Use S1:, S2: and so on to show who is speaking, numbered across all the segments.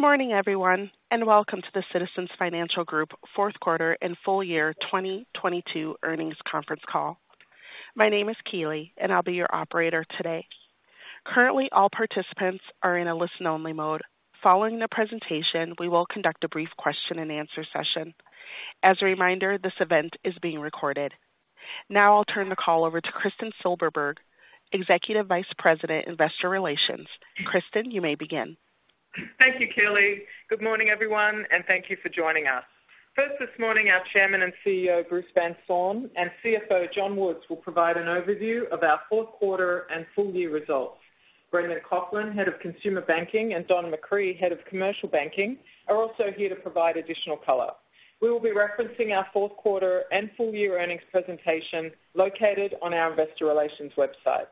S1: Good morning, everyone, welcome to the Citizens Financial Group Fourth Quarter and Full year 2022 Earnings Conference Call. My name is Keeley and I'll be your operator today. Currently, all participants are in a listen-only mode. Following the presentation, we will conduct a brief question-and-answer session. As a reminder, this event is being recorded. Now I'll turn the call over to Kristin Silberberg, Executive Vice President, Investor Relations. Kristin, you may begin.
S2: Thank you, Keeley. Good morning, everyone, thank you for joining us. First this morning, our Chairman and CEO Bruce Van Saun, and CFO John Woods will provide an overview of our fourth quarter and full year results. Brendan Coughlin, Head of Consumer Banking, and Don McCree, Head of Commercial Banking, are also here to provide additional color. We will be referencing our fourth quarter and full year earnings presentation located on our investor relations website.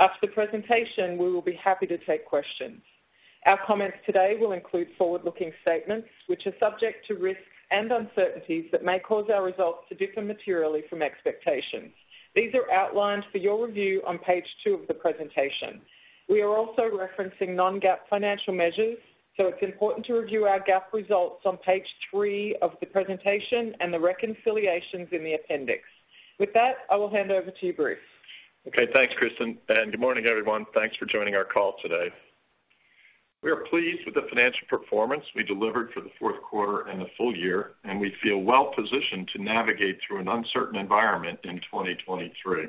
S2: After the presentation, we will be happy to take questions. Our comments today will include forward-looking statements which are subject to risks and uncertainties that may cause our results to differ materially from expectations. These are outlined for your review on page two of the presentation. We are also referencing non-GAAP financial measures, it's important to review our GAAP results on page three of the presentation and the reconciliations in the appendix. With that, I will hand over to you, Bruce.
S3: Okay. Thanks, Kristin, good morning, everyone. Thanks for joining our call today. We are pleased with the financial performance we delivered for the fourth quarter and the full year, and we feel well positioned to navigate through an uncertain environment in 2023.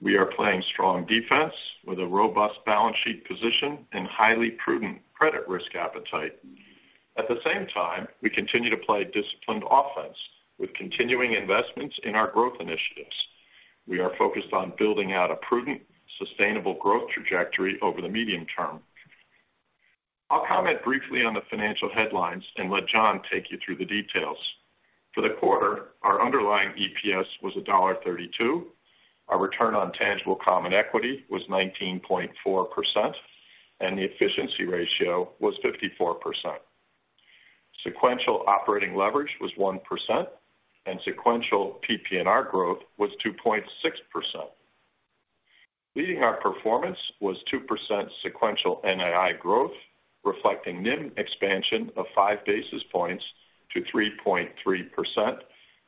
S3: We are playing strong defense with a robust balance sheet position and highly prudent credit risk appetite. At the same time, we continue to play disciplined offense with continuing investments in our growth initiatives. We are focused on building out a prudent, sustainable growth trajectory over the medium term. I'll comment briefly on the financial headlines and let John take you through the details. For the quarter, our underlying EPS was $1.32. Our return on tangible common equity was 19.4%, and the efficiency ratio was 54%. Sequential operating leverage was 1% and sequential PPNR growth was 2.6%. Leading our performance was 2% sequential NII growth, reflecting NIM expansion of 5 basis points to 3.3%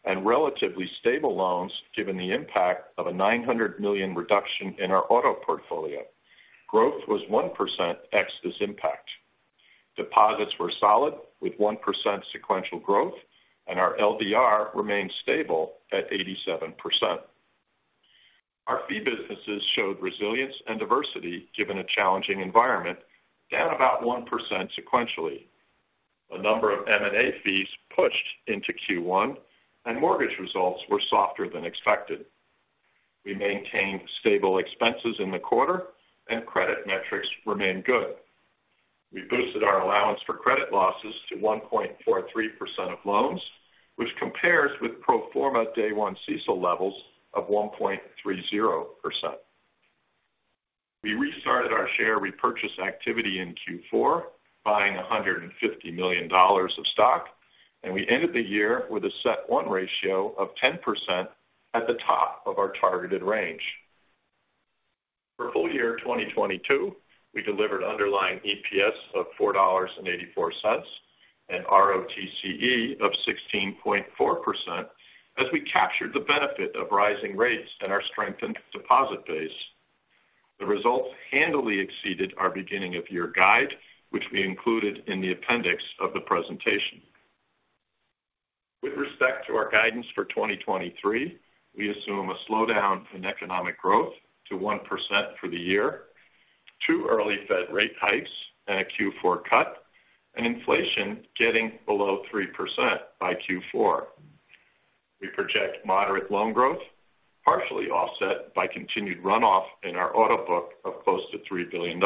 S3: and relatively stable loans given the impact of a $900 million reduction in our auto portfolio. Growth was 1% ex this impact. Deposits were solid with 1% sequential growth, and our LDR remained stable at 87%. Our fee businesses showed resilience and diversity given a challenging environment, down about 1% sequentially. A number of M&A fees pushed into Q1 and mortgage results were softer than expected. We maintained stable expenses in the quarter and credit metrics remained good. We boosted our allowance for credit losses to 1.43% of loans, which compares with pro forma day one CECL levels of 1.30%. We restarted our share repurchase activity in Q4, buying $150 million of stock, and we ended the year with a CET1 ratio of 10% at the top of our targeted range. For full year 2022, we delivered underlying EPS of $4.84 and ROTCE of 16.4% as we captured the benefit of rising rates and our strengthened deposit base. The results handily exceeded our beginning of year guide, which we included in the appendix of the presentation. With respect to our guidance for 2023, we assume a slowdown in economic growth to 1% for the year, two early Fed rate hikes and a Q4 cut, and inflation getting below 3% by Q4. We project moderate loan growth, partially offset by continued runoff in our auto book of close to $3 billion.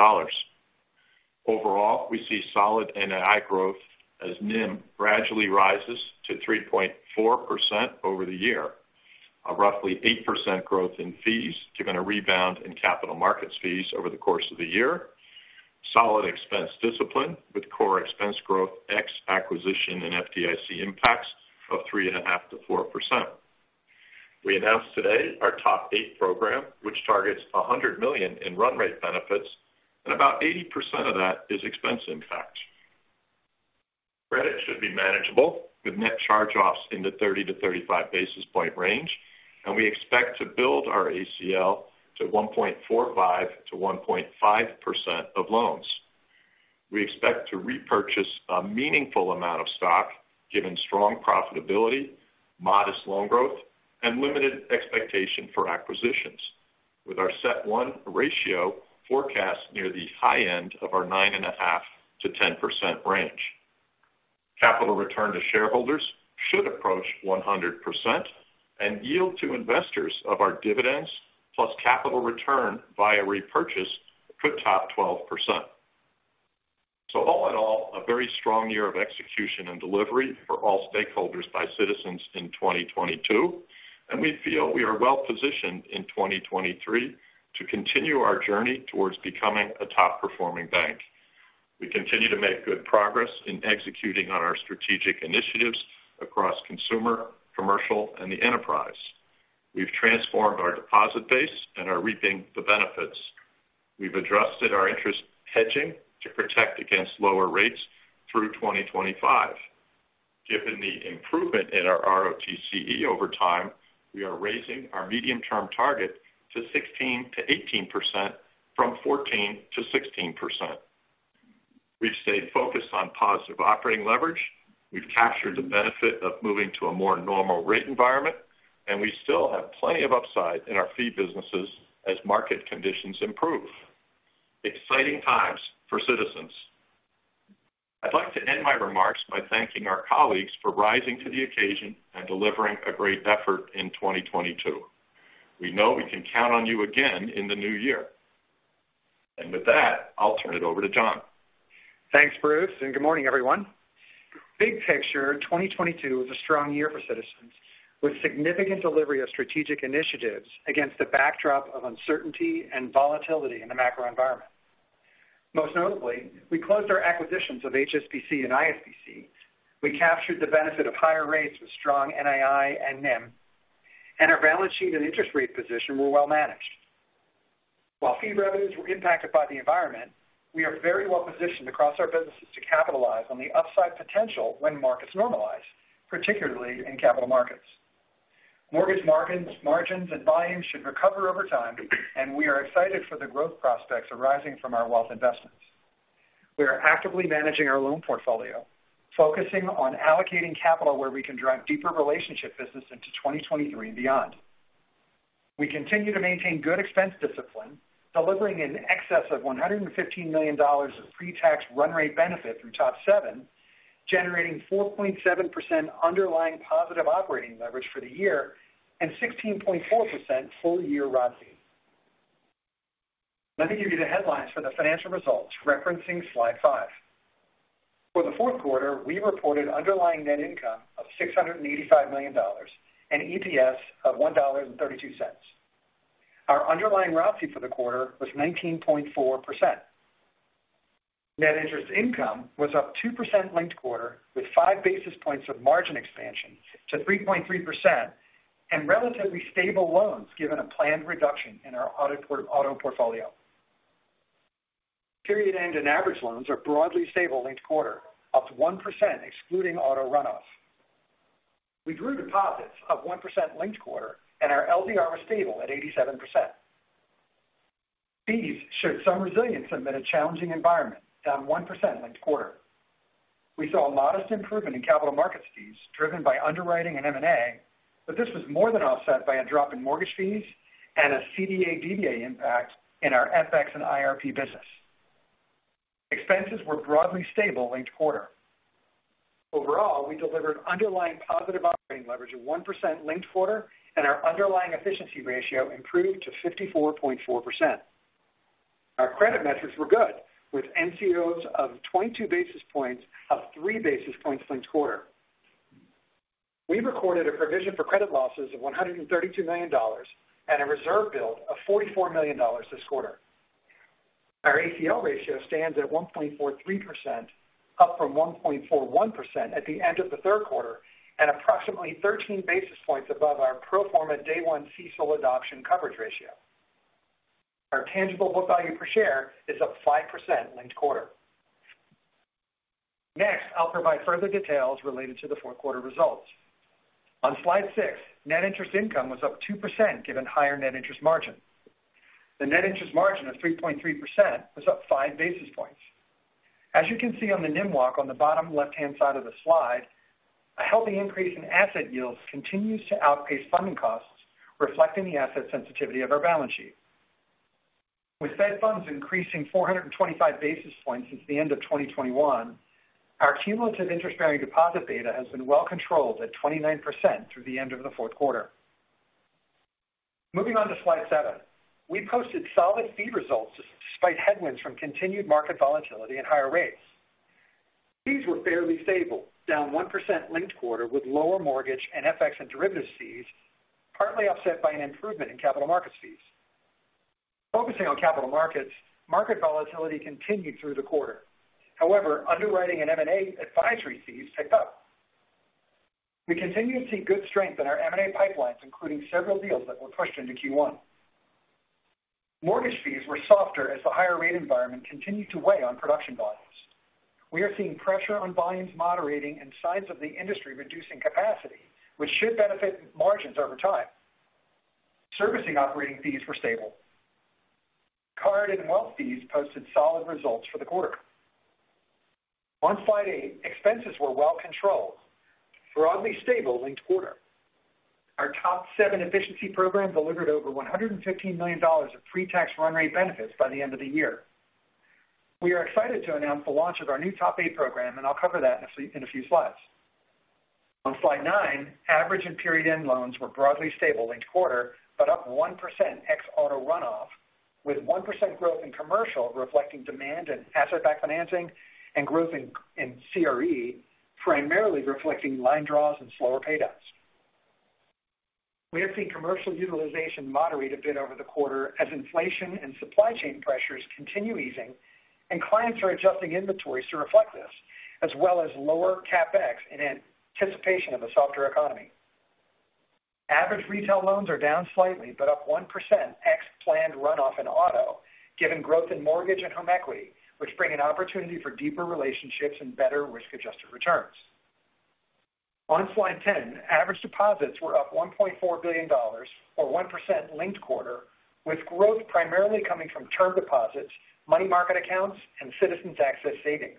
S3: Overall, we see solid NII growth as NIM gradually rises to 3.4% over the year. A roughly 8% growth in fees, given a rebound in capital markets fees over the course of the year. Solid expense discipline with core expense growth, ex acquisition and FDIC impacts of 3.5%-4%. We announced today our TOP 8 program, which targets $100 million in run rate benefits, and about 80% of that is expense impact. Credit should be manageable with net charge-offs in the 30-35 basis point range, and we expect to build our ACL to 1.45%-1.5% of loans. We expect to repurchase a meaningful amount of stock given strong profitability, modest loan growth, and limited expectation for acquisitions with our CET1 ratio forecast near the high end of our 9.5%-10% range. Capital return to shareholders should approach 100% and yield to investors of our dividends plus capital return via repurchase could top 12%. All in all, a very strong year of execution and delivery for all stakeholders by Citizens in 2022. We feel we are well-positioned in 2023 to continue our journey towards becoming a top-performing bank. We continue to make good progress in executing on our strategic initiatives across consumer, commercial, and the enterprise. We've transformed our deposit base and are reaping the benefits. We've adjusted our interest hedging to protect against lower rates through 2025. Given the improvement in our ROTCE over time, we are raising our medium-term target to 16%-18% from 14%-16%. We've stayed focused on positive operating leverage. We've captured the benefit of moving to a more normal rate environment, and we still have plenty of upside in our fee businesses as market conditions improve. Exciting times for Citizens. I'd like to end my remarks by thanking our colleagues for rising to the occasion and delivering a great effort in 2022. We know we can count on you again in the new year. With that, I'll turn it over to John.
S4: Thanks, Bruce. Good morning, everyone. Big picture, 2022 was a strong year for Citizens, with significant delivery of strategic initiatives against the backdrop of uncertainty and volatility in the macro environment. Most notably, we closed our acquisitions of HSBC and ISBC. We captured the benefit of higher rates with strong NII and NIM. Our balance sheet and interest rate position were well managed. While fee revenues were impacted by the environment, we are very well positioned across our businesses to capitalize on the upside potential when markets normalize, particularly in capital markets. Mortgage margins and buy-ins should recover over time. We are excited for the growth prospects arising from our wealth investments. We are actively managing our loan portfolio, focusing on allocating capital where we can drive deeper relationship business into 2023 and beyond. We continue to maintain good expense discipline, delivering in excess of $115 million of pre-tax run rate benefit through TOP 7, generating 4.7% underlying positive operating leverage for the year and 16.4% full-year ROC. Let me give you the headlines for the financial results referencing slide five. For the fourth quarter, we reported underlying net income of $685 million and EPS of $1.32. Our underlying ROC for the quarter was 19.4%. Net interest income was up 2% linked quarter, with 5 basis points of margin expansion to 3.3% and relatively stable loans, given a planned reduction in our auto portfolio. Period end and average loans are broadly stable linked quarter, up 1% excluding auto runoffs. We grew deposits of 1% linked quarter and our LDR was stable at 87%. Fees showed some resilience amid a challenging environment, down 1% linked quarter. We saw a modest improvement in capital markets fees driven by underwriting and M&A, but this was more than offset by a drop in mortgage fees and a CVA/DVA impact in our FX and IRP business. Expenses were broadly stable linked quarter. Overall, we delivered underlying positive operating leverage of 1% linked quarter, and our underlying efficiency ratio improved to 54.4%. Our credit metrics were good, with NCOs of 22 basis points, up 3 basis points linked quarter. We recorded a provision for credit losses of $132 million and a reserve build of $44 million this quarter. Our ACL ratio stands at 1.43%, up from 1.41% at the end of the third quarter and approximately 13 basis points above our pro forma day one CECL adoption coverage ratio. Our tangible book value per share is up 5% linked quarter. I'll provide further details related to the fourth quarter results. On slide six, net interest income was up 2% given higher net interest margin. The net interest margin of 3.3% was up 5 basis points. As you can see on the NIM walk on the bottom left-hand side of the slide, a healthy increase in asset yields continues to outpace funding costs, reflecting the asset sensitivity of our balance sheet. With Fed funds increasing 425 basis points since the end of 2021, our cumulative interest-bearing deposit beta has been well controlled at 29% through the end of the fourth quarter. Moving on to slide seven. We posted solid fee results despite headwinds from continued market volatility and higher rates. Fees were fairly stable, down 1% linked quarter with lower mortgage and FX and derivative fees, partly offset by an improvement in capital markets fees. Focusing on capital markets, market volatility continued through the quarter. However, underwriting and M&A advisory fees ticked up. We continue to see good strength in our M&A pipelines, including several deals that were pushed into Q1. Mortgage fees were softer as the higher rate environment continued to weigh on production volumes. We are seeing pressure on volumes moderating and signs of the industry reducing capacity, which should benefit margins over time. Servicing operating fees were stable. Card and wealth fees posted solid results for the quarter. On slide eight, expenses were well controlled, broadly stable linked quarter. Our TOP 7 efficiency program delivered over $115 million of pre-tax run rate benefits by the end of the year. We are excited to announce the launch of our new TOP 8 program, and I'll cover that in a few slides. On slide nine, average and period end loans were broadly stable linked quarter, but up 1% ex auto runoff, with 1% growth in commercial reflecting demand and asset-backed financing and growth in CRE, primarily reflecting line draws and slower pay downs. We have seen commercial utilization moderate a bit over the quarter as inflation and supply chain pressures continue easing and clients are adjusting inventories to reflect this, as well as lower CapEx in anticipation of a softer economy. Average retail loans are down slightly but up 1% ex planned runoff in auto, given growth in mortgage and home equity, which bring an opportunity for deeper relationships and better risk-adjusted returns. On slide 10, average deposits were up $1.4 billion or 1% linked quarter, with growth primarily coming from term deposits, money market accounts, and Citizens Access Savings.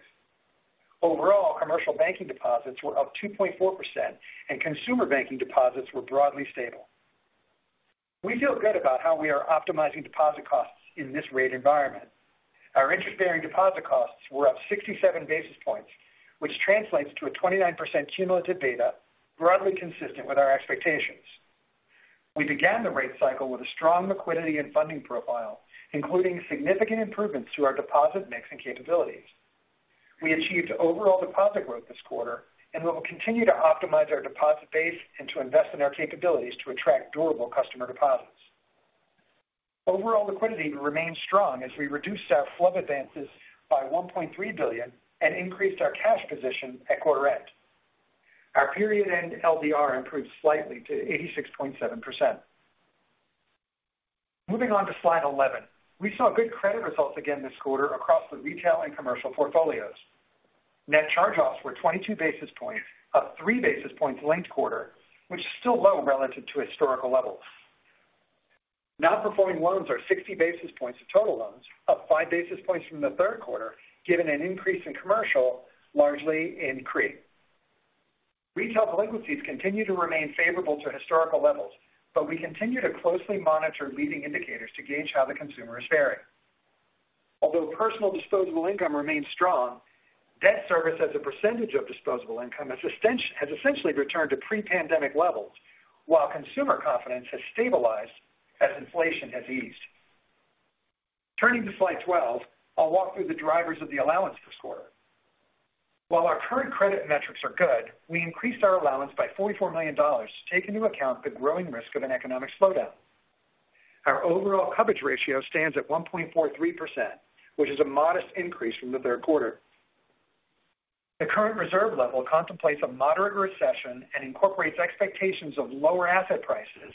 S4: Overall, commercial banking deposits were up 2.4% and consumer banking deposits were broadly stable. We feel good about how we are optimizing deposit costs in this rate environment. Our interest-bearing deposit costs were up 67 basis points, which translates to a 29% cumulative beta broadly consistent with our expectations. We began the rate cycle with a strong liquidity and funding profile, including significant improvements to our deposit mix and capabilities. We achieved overall deposit growth this quarter and we will continue to optimize our deposit base and to invest in our capabilities to attract durable customer deposits. Overall liquidity remains strong as we reduce our FLIP advances by $1.3 billion and increased our cash position at quarter end. Our period-end LDR improved slightly to 86.7%. Moving on to slide 11. We saw good credit results again this quarter across the retail and commercial portfolios. Net charge-offs were 22 basis points, up 3 basis points linked quarter, which is still low relative to historical levels. Non-performing loans are 60 basis points of total loans, up 5 basis points from the third quarter, given an increase in commercial largely in CRE. Retail delinquencies continue to remain favorable to historical levels. We continue to closely monitor leading indicators to gauge how the consumer is faring. Although personal disposable income remains strong, debt service as a percentage of disposable income has essentially returned to pre-pandemic levels, while consumer confidence has stabilized as inflation has eased. Turning to slide 12, I'll walk through the drivers of the allowance this quarter. While our current credit metrics are good, we increased our allowance by $44 million to take into account the growing risk of an economic slowdown. Our overall coverage ratio stands at 1.43%, which is a modest increase from the third quarter. The current reserve level contemplates a moderate recession and incorporates expectations of lower asset prices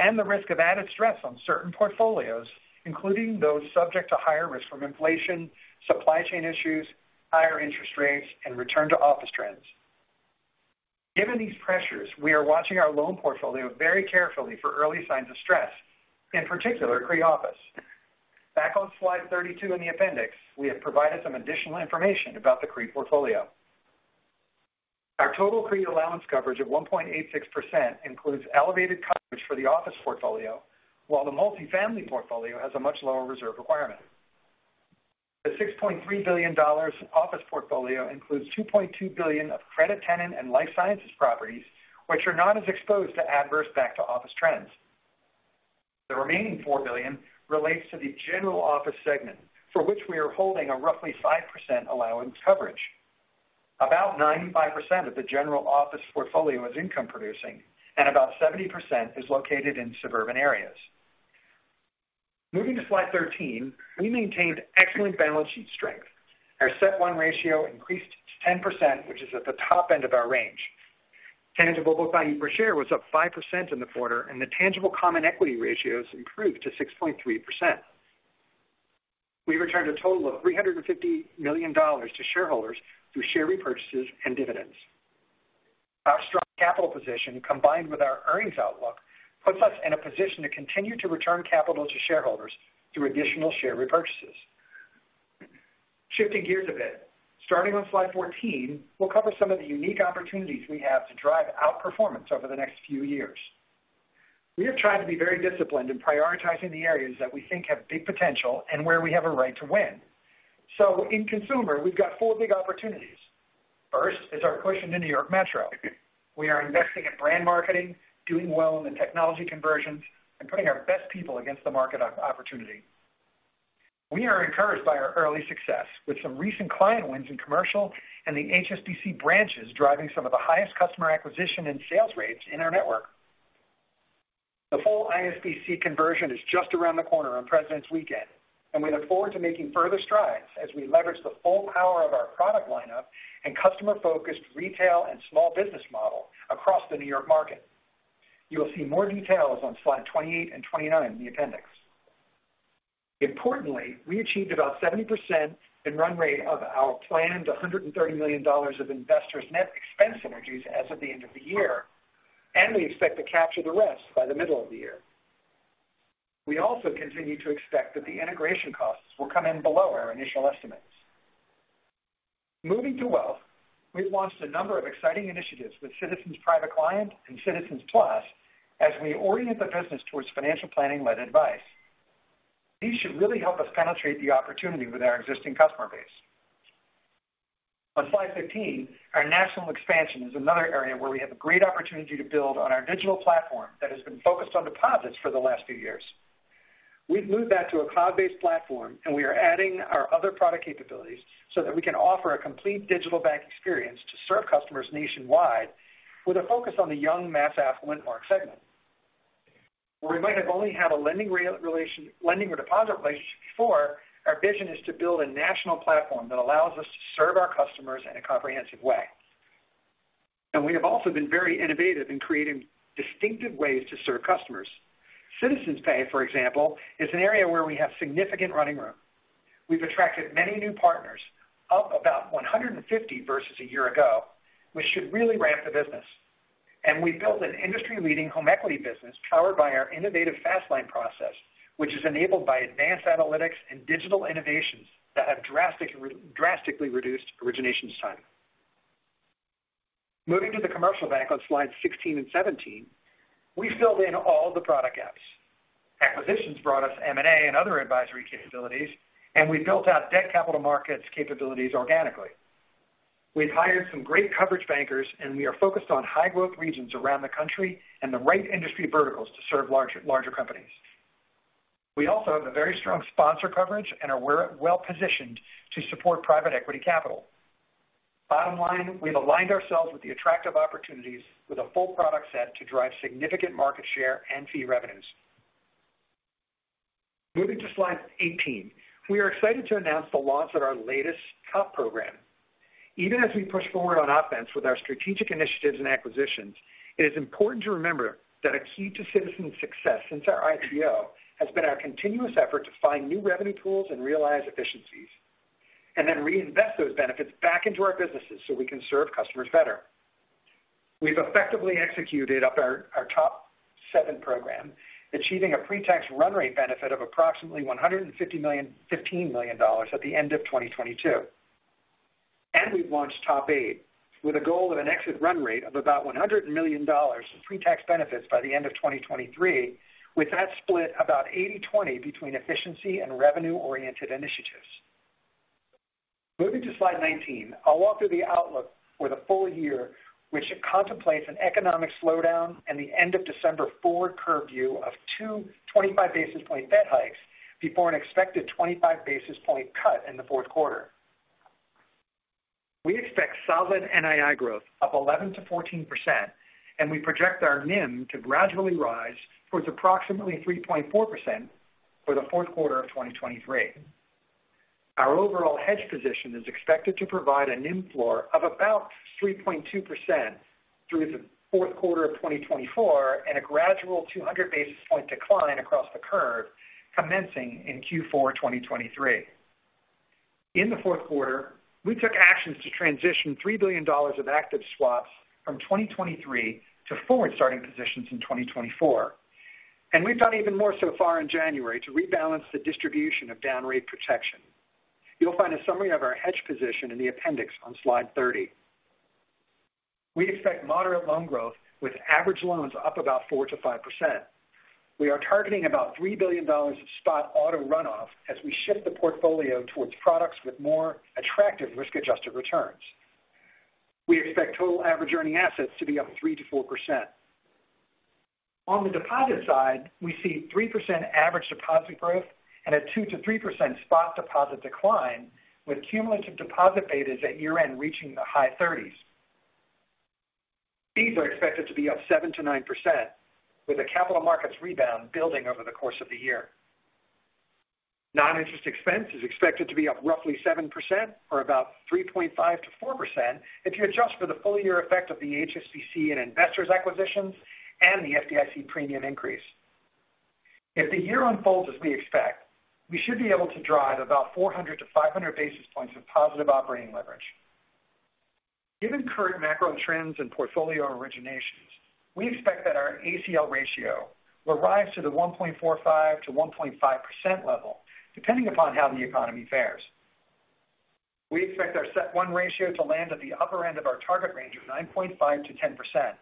S4: and the risk of added stress on certain portfolios, including those subject to higher risk from inflation, supply chain issues, higher interest rates, and return to office trends. Given these pressures, we are watching our loan portfolio very carefully for early signs of stress, in particular, CRE office. Back on slide 32 in the appendix, we have provided some additional information about the CRE portfolio. Our total CRE allowance coverage of 1.86% includes elevated coverage for the office portfolio, while the multifamily portfolio has a much lower reserve requirement. The $6.3 billion office portfolio includes $2.2 billion of credit tenant and life sciences properties, which are not as exposed to adverse back to office trends. The remaining $4 billion relates to the general office segment, for which we are holding a roughly 5% allowance coverage. About 95% of the general office portfolio is income producing, and about 70% is located in suburban areas. Moving to slide 13, we maintained excellent balance sheet strength. Our CET1 ratio increased to 10%, which is at the top end of our range. Tangible book value per share was up 5% in the quarter, and the tangible common equity ratios improved to 6.3%. We returned a total of $350 million to shareholders through share repurchases and dividends. Our strong capital position, combined with our earnings outlook, puts us in a position to continue to return capital to shareholders through additional share repurchases. Shifting gears a bit. Starting on slide 14, we'll cover some of the unique opportunities we have to drive outperformance over the next few years. We are trying to be very disciplined in prioritizing the areas that we think have big potential and where we have a right to win. In consumer, we've got four big opportunities. First is our push into New York Metro. We are investing in brand marketing, doing well in the technology conversions, and putting our best people against the market opportunity. We are encouraged by our early success with some recent client wins in commercial and the HSBC branches driving some of the highest customer acquisition and sales rates in our network. The full ISBC conversion is just around the corner on Presidents' Day weekend. We look forward to making further strides as we leverage the full power of our product lineup and customer-focused retail and small business model across the New York market. You will see more details on slide 28 and 29 in the appendix. Importantly, we achieved about 70% in run rate of our planned $130 million of Investors net expense synergies as of the end of the year. We expect to capture the rest by the middle of the year. We also continue to expect that the integration costs will come in below our initial estimates. Moving to wealth. We've launched a number of exciting initiatives with Citizens Private Client and Citizens Plus as we orient the business towards financial planning-led advice. These should really help us penetrate the opportunity with our existing customer base. On slide 15, our national expansion is another area where we have a great opportunity to build on our digital platform that has been focused on deposits for the last few years. We've moved that to a cloud-based platform, and we are adding our other product capabilities so that we can offer a complete digital bank experience to serve customers nationwide with a focus on the young mass affluent market segment. Where we might have only had a lending or deposit relationship before, our vision is to build a national platform that allows us to serve our customers in a comprehensive way. We have also been very innovative in creating distinctive ways to serve customers. Citizens Pay, for example, is an area where we have significant running room. We've attracted many new partners, up about 150 vs a year ago, which should really ramp the business. We built an industry-leading home equity business powered by our innovative FastLine process, which is enabled by advanced analytics and digital innovations that have drastically reduced originations time. Moving to the commercial bank on slide 16 and 17, we filled in all the product gaps. Acquisitions brought us M&A and other advisory capabilities, and we built out debt capital markets capabilities organically. We've hired some great coverage bankers, and we are focused on high-growth regions around the country and the right industry verticals to serve larger companies. We also have a very strong sponsor coverage and we're well-positioned to support private equity capital. Bottom line, we've aligned ourselves with the attractive opportunities with a full product set to drive significant market share and fee revenues. Moving to slide 18. We are excited to announce the launch of our latest TOP program. Even as we push forward on offense with our strategic initiatives and acquisitions, it is important to remember that a key to Citizens' success since our IPO has been our continuous effort to find new revenue pools and realize efficiencies, and then reinvest those benefits back into our businesses so we can serve customers better. We've effectively executed up our TOP 7 program, achieving a pre-tax run rate benefit of approximately $150 million-- $15 million at the end of 2022. We've launched TOP 8 with a goal of an exit run rate of about $100 million in pre-tax benefits by the end of 2023, with that split about 80/20 between efficiency and revenue-oriented initiatives. Moving to slide 19. I'll walk through the outlook for the full year, which contemplates an economic slowdown and the end-of-December forward curve view of 225 basis point Fed hikes before an expected 25 basis point cut in the fourth quarter. We expect solid NII growth up 11%-14%. We project our NIM to gradually rise towards approximately 3.4% for the fourth quarter of 2023. Our overall hedge position is expected to provide a NIM floor of about 3.2% through the fourth quarter of 2024. A gradual 200 basis point decline across the curve commencing in Q4 2023. In the fourth quarter, we took actions to transition $3 billion of active swaps from 2023 to forward starting positions in 2024. We've done even more so far in January to rebalance the distribution of down rate protection. You'll find a summary of our hedge position in the appendix on slide 30. We expect moderate loan growth with average loans up about 4%-5%. We are targeting about $3 billion of spot auto runoff as we shift the portfolio towards products with more attractive risk-adjusted returns. We expect total average earning assets to be up 3%-4%. On the deposit side, we see 3% average deposit growth and a 2%-3% spot deposit decline with cumulative deposit betas at year-end reaching the high 30s. Fees are expected to be up 7%-9%, with the capital markets rebound building over the course of the year. Non-interest expense is expected to be up roughly 7% or about 3.5%-4% if you adjust for the full-year effect of the HSBC and Investors acquisitions and the FDIC premium increase. The year unfolds as we expect, we should be able to drive about 400-500 basis points of positive operating leverage. Given current macro trends and portfolio originations, we expect that our ACL ratio will rise to the 1.45%-1.5% level, depending upon how the economy fares. We expect our CET1 ratio to land at the upper end of our target range of 9.5%-10%,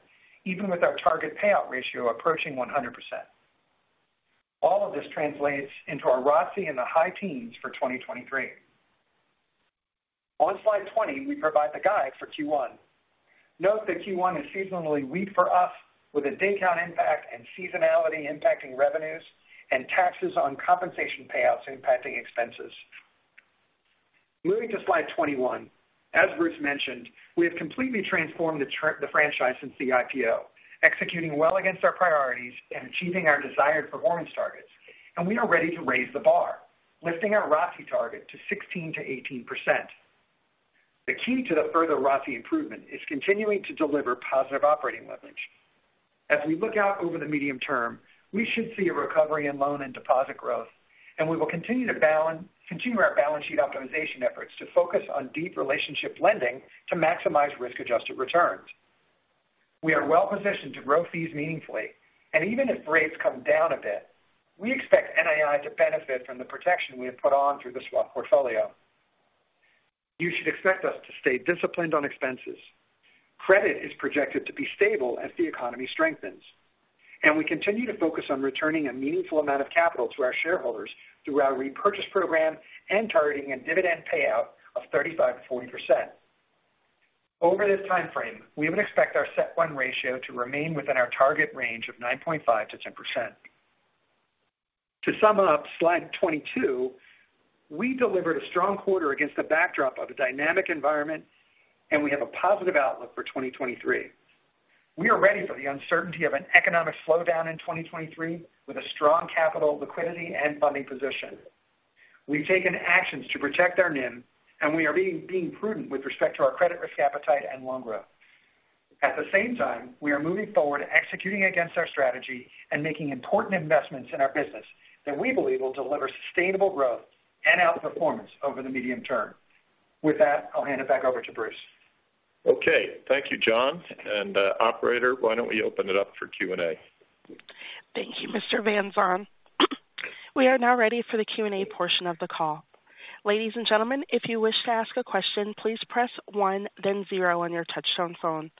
S4: even with our target payout ratio approaching 100%. All of this translates into our ROCE in the high teens for 2023. On slide 20, we provide the guide for Q1. Note that Q1 is seasonally weak for us, with a day count impact and seasonality impacting revenues and taxes on compensation payouts impacting expenses. Moving to slide 21. As Bruce mentioned, we have completely transformed the franchise since the IPO, executing well against our priorities and achieving our desired performance targets. We are ready to raise the bar, lifting our ROCE target to 16%-18%. The key to the further ROCE improvement is continuing to deliver positive operating leverage. As we look out over the medium term, we should see a recovery in loan and deposit growth. We will continue our balance sheet optimization efforts to focus on deep relationship lending to maximize risk-adjusted returns. We are well-positioned to grow fees meaningfully. Even if rates come down a bit, we expect NII to benefit from the protection we have put on through the swap portfolio. You should expect us to stay disciplined on expenses. Credit is projected to be stable as the economy strengthens, and we continue to focus on returning a meaningful amount of capital to our shareholders through our repurchase program and targeting a dividend payout of 35%-40%. Over this time frame, we would expect our CET1 ratio to remain within our target range of 9.5%-10%. To sum up slide 22, we delivered a strong quarter against the backdrop of a dynamic environment, and we have a positive outlook for 2023. We are ready for the uncertainty of an economic slowdown in 2023 with a strong capital liquidity and funding position. We've taken actions to protect our NIM, we are being prudent with respect to our credit risk appetite and loan growth. At the same time, we are moving forward executing against our strategy and making important investments in our business that we believe will deliver sustainable growth and outperformance over the medium term. With that, I'll hand it back over to Bruce.
S3: Okay. Thank you, John. Operator, why don't we open it up for Q&A?
S1: Thank you, Mr. Van Saun. We are now ready for the Q&A portion of the call. Ladies and gentlemen, if you wish to ask a question, please press 1 then 0 on your touch-tone phone.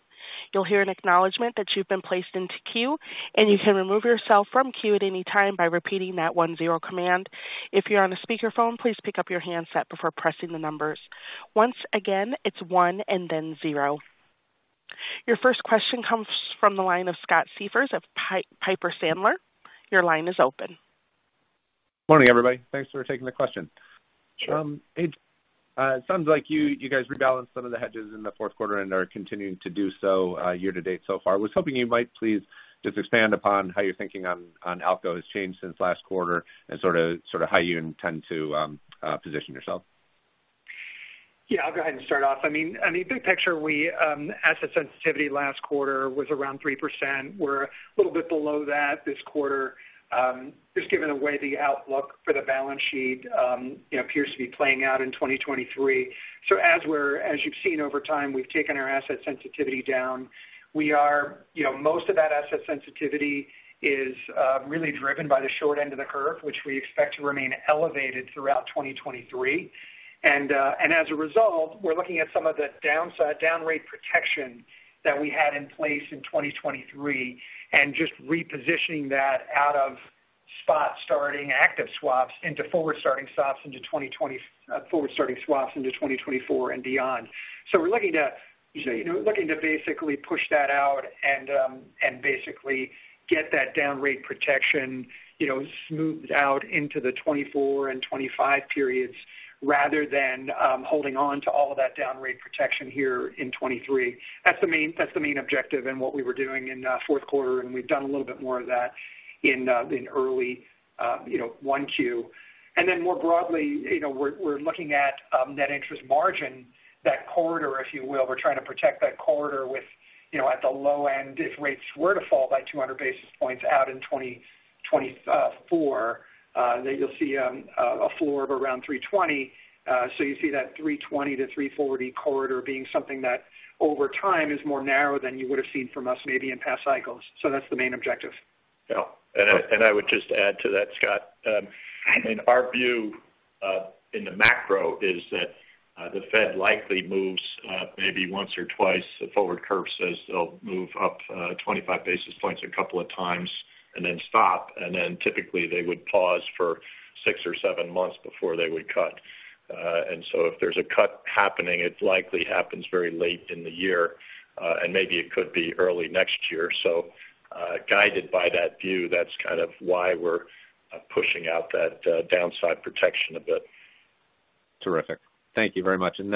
S1: You'll hear an acknowledgment that you've been placed into queue, and you can remove yourself from queue at any time by repeating that one-zero command. If you're on a speakerphone, please pick up your handset before pressing the numbers. Once again, it's one and then zero. Your first question comes from the line of Scott Siefers of Piper Sandler. Your line is open.
S5: Morning, everybody. Thanks for taking the question. It sounds like you guys rebalanced some of the hedges in the fourth quarter and are continuing to do so year to date so far. Was hoping you might please just expand upon how your thinking on ALCO has changed since last quarter and sorta how you intend to position yourself.
S4: Yeah, I'll go ahead and start off. I mean, big picture, we, asset sensitivity last quarter was around 3%. We're a little bit below that this quarter, just given the way the outlook for the balance sheet, you know, appears to be playing out in 2023. As you've seen over time, we've taken our asset sensitivity down. We are, you know, most of that asset sensitivity is really driven by the short end of the curve, which we expect to remain elevated throughout 2023. As a result, we're looking at some of the downside down rate protection that we had in place in 2023 and just repositioning that out of spot starting active swaps into forward starting swaps into 2024 and beyond. We're looking to, you know, we're looking to basically push that out and basically get that down rate protection, you know, smoothed out into the 2024 and 2025 periods rather than holding on to all of that down rate protection here in 2023. That's the main objective in what we were doing in fourth quarter, and we've done a little bit more of that in early, you know, 1Q. More broadly, you know, we're looking at net interest margin, that corridor, if you will. We're trying to protect that corridor with, you know, at the low end, if rates were to fall by 200 basis points out in 2024, then you'll see a floor of around 3.20. You see that 320-340 corridor being something that over time is more narrow than you would've seen from us maybe in past cycles. That's the main objective.
S3: Yeah. I would just add to that, Scott. I mean, our view in the macro is that the Fed likely moves maybe once or twice. The forward curve says they'll move up 25 basis points a couple of times and then stop. Typically, they would pause for six or seven months before they would cut. If there's a cut happening, it likely happens very late in the year, and maybe it could be early next year. Guided by that view, that's kind of why we're pushing out that downside protection a bit.
S5: Terrific. Thank you very much. Just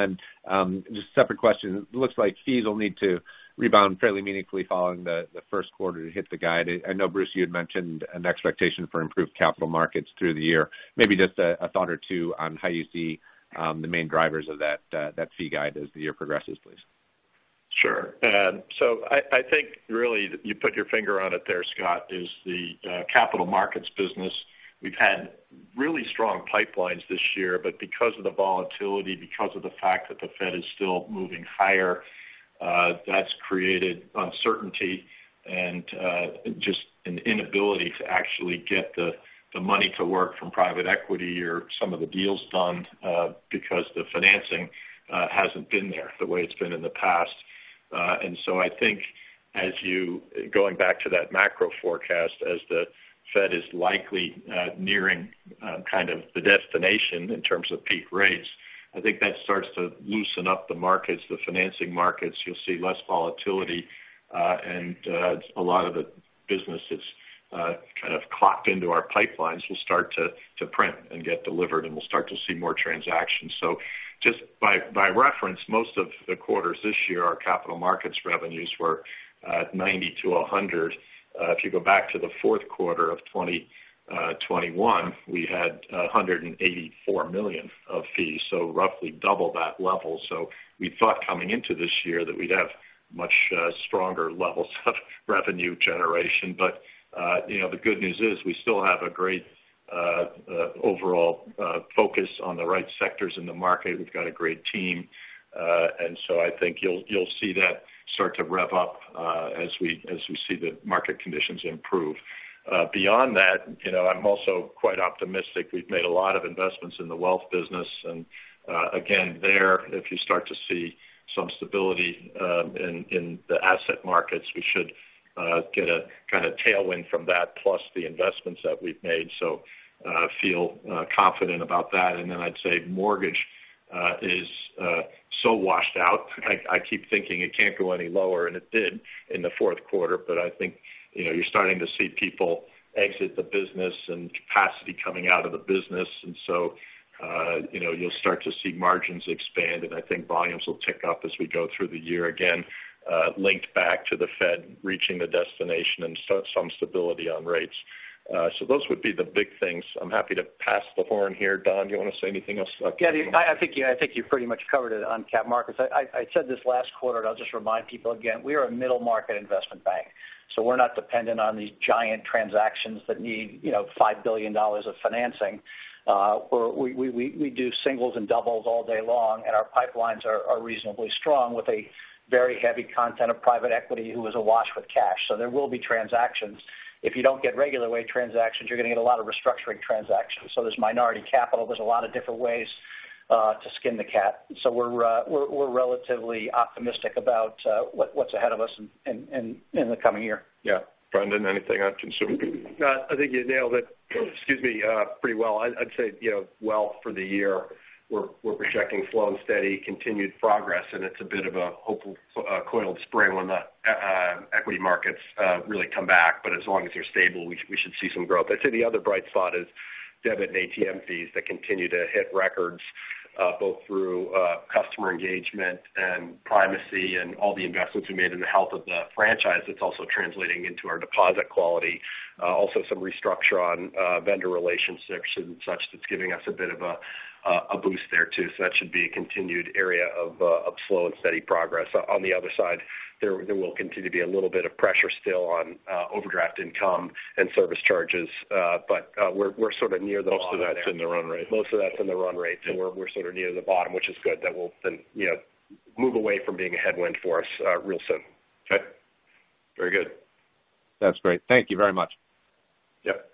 S5: a separate question. Looks like fees will need to rebound fairly meaningfully following the first quarter to hit the guide. I know, Bruce, you had mentioned an expectation for improved capital markets through the year. Maybe just a thought or two on how you see the main drivers of that fee guide as the year progresses, please.
S3: Sure. I think really you put your finger on it there, Scott, is the capital markets business. We've had really strong pipelines this year, but because of the volatility, because of the fact that the Fed is still moving higher, that's created uncertainty and just an inability to actually get the money to work from private equity or some of the deals done, because the financing hasn't been there the way it's been in the past. I think going back to that macro forecast, as the Fed is likely nearing kind of the destination in terms of peak rates, I think that starts to loosen up the markets, the financing markets. You'll see less volatility, and a lot of the businesses, kind of clocked into our pipelines will start to print and get delivered, and we'll start to see more transactions. Just by reference, most of the quarters this year, our capital markets revenues were $90-$100. If you go back to the fourth quarter of 2021, we had $184 million of fees, so roughly double that level. We thought coming into this year that we'd have much stronger levels of revenue generation. You know, the good news is we still have a great overall focus on the right sectors in the market. We've got a great team. I think you'll see that start to rev up, as we, as we see the market conditions improve. Beyond that, you know, I'm also quite optimistic. We've made a lot of investments in the wealth business. Again, there, if you start to see some stability, in the asset markets, we should get a kinda tailwind from that plus the investments that we've made. Feel confident about that. Then I'd say mortgage is so washed out. I keep thinking it can't go any lower, and it did in the fourth quarter. I think, you know, you're starting to see people exit the business and capacity coming out of the business. You know, you'll start to see margins expand, and I think volumes will tick up as we go through the year. Linked back to the Fed reaching the destination and so some stability on rates. Those would be the big things. I'm happy to pass the horn here. Don, do you want to say anything else?
S6: Yeah. I think you pretty much covered it on cap markets. I said this last quarter, and I'll just remind people again, we are a middle market investment bank, so we're not dependent on these giant transactions that need, you know, $5 billion of financing. We do singles and doubles all day long, and our pipelines are reasonably strong with a very heavy content of private equity who is awash with cash. There will be transactions. If you don't get regular way transactions, you're going to get a lot of restructuring transactions. There's minority capital, there's a lot of different ways to skin the cat. We're relatively optimistic about what's ahead of us in the coming year.
S3: Yeah. Brendan, anything on consumer?
S7: No. I think you nailed it, excuse me, pretty well. I'd say, you know, wealth for the year we're projecting slow and steady continued progress, and it's a bit of a hopeful, coiled spring when the equity markets really come back. As long as they're stable, we should see some growth. I'd say the other bright spot is debit and ATM fees that continue to hit records, both through customer engagement and privacy and all the investments we made in the health of the franchise. That's also translating into our deposit quality. Also some restructure on vendor relationships and such. That's giving us a bit of a boost there too. That should be a continued area of slow and steady progress. On the other side, there will continue to be a little bit of pressure still on overdraft income and service charges. We're sort of near the bottom there.
S3: Most of that's in the run rate.
S7: Most of that's in the run rate.
S3: Yeah.
S7: We're sort of near the bottom, which is good. That will, you know, move away from being a headwind for us, real soon.
S3: Okay. Very good. That's great. Thank you very much.
S7: Yep.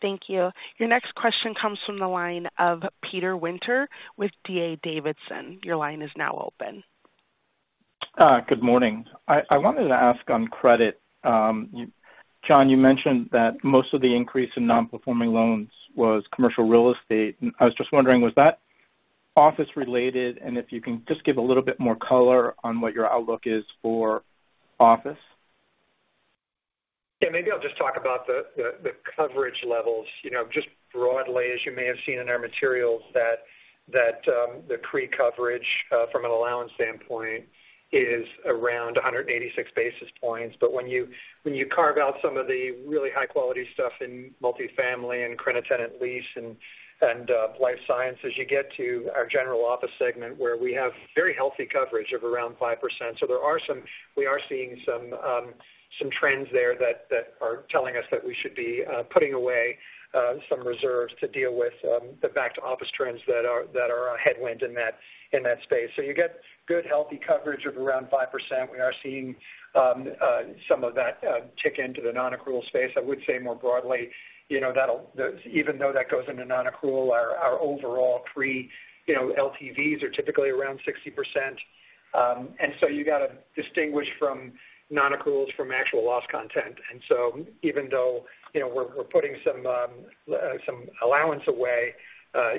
S1: Thank you. Your next question comes from the line of Peter Winter with D.A. Davidson. Your line is now open.
S8: Good morning. I wanted to ask on credit. John, you mentioned that most of the increase in non-performing loans was commercial real estate. I was just wondering, was that office related? If you can just give a little bit more color on what your outlook is for office.
S4: Yeah, maybe I'll just talk about the coverage levels. You know, just broadly, as you may have seen in our materials that the CRE coverage from an allowance standpoint is around 186 basis points. When you, when you carve out some of the really high quality stuff in multifamily and credit tenant lease and life sciences, you get to our general office segment where we have very healthy coverage of around 5%. We are seeing some trends there that are telling us that we should be putting away some reserves to deal with the back-to-office trends that are, that are a headwind in that, in that space. You get good, healthy coverage of around 5%. We are seeing some of that tick into the non-accrual space. I would say more broadly, you know, even though that goes into non-accrual, our overall CRE, you know, LTVs are typically around 60%. You got to distinguish from non-accruals from actual loss content. Even though, you know, we're putting some allowance away,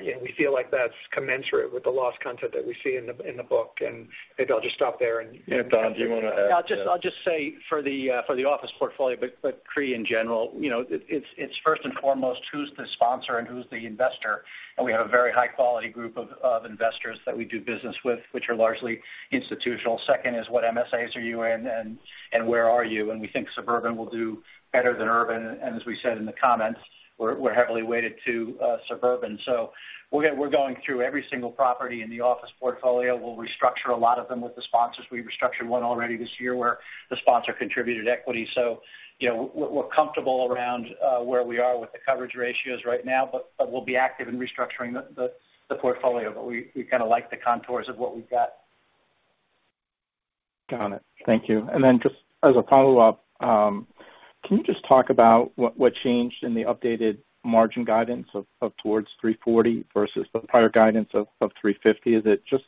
S4: you know, we feel like that's commensurate with the loss content that we see in the book. Maybe I'll just stop there.
S3: Yeah. Don, do you want to add?
S6: I'll just say for the for the office portfolio, but CRE in general, you know, it's first and foremost who's the sponsor and who's the investor. We have a very high quality group of investors that we do business with, which are largely institutional. Second is what MSAs are you in and where are you? We think suburban will do better than urban. As we said in the comments, we're heavily weighted to suburban. We're going through every single property in the office portfolio. We'll restructure a lot of them with the sponsors. We restructured one already this year where the sponsor contributed equity. You know, we're comfortable around where we are with the coverage ratios right now, but we'll be active in restructuring the portfolio. We kind of like the contours of what we've got.
S8: Got it. Thank you. Just as a follow-up, can you just talk about what changed in the updated margin guidance of towards 3.40% vs the prior guidance of 3.50%? Is it just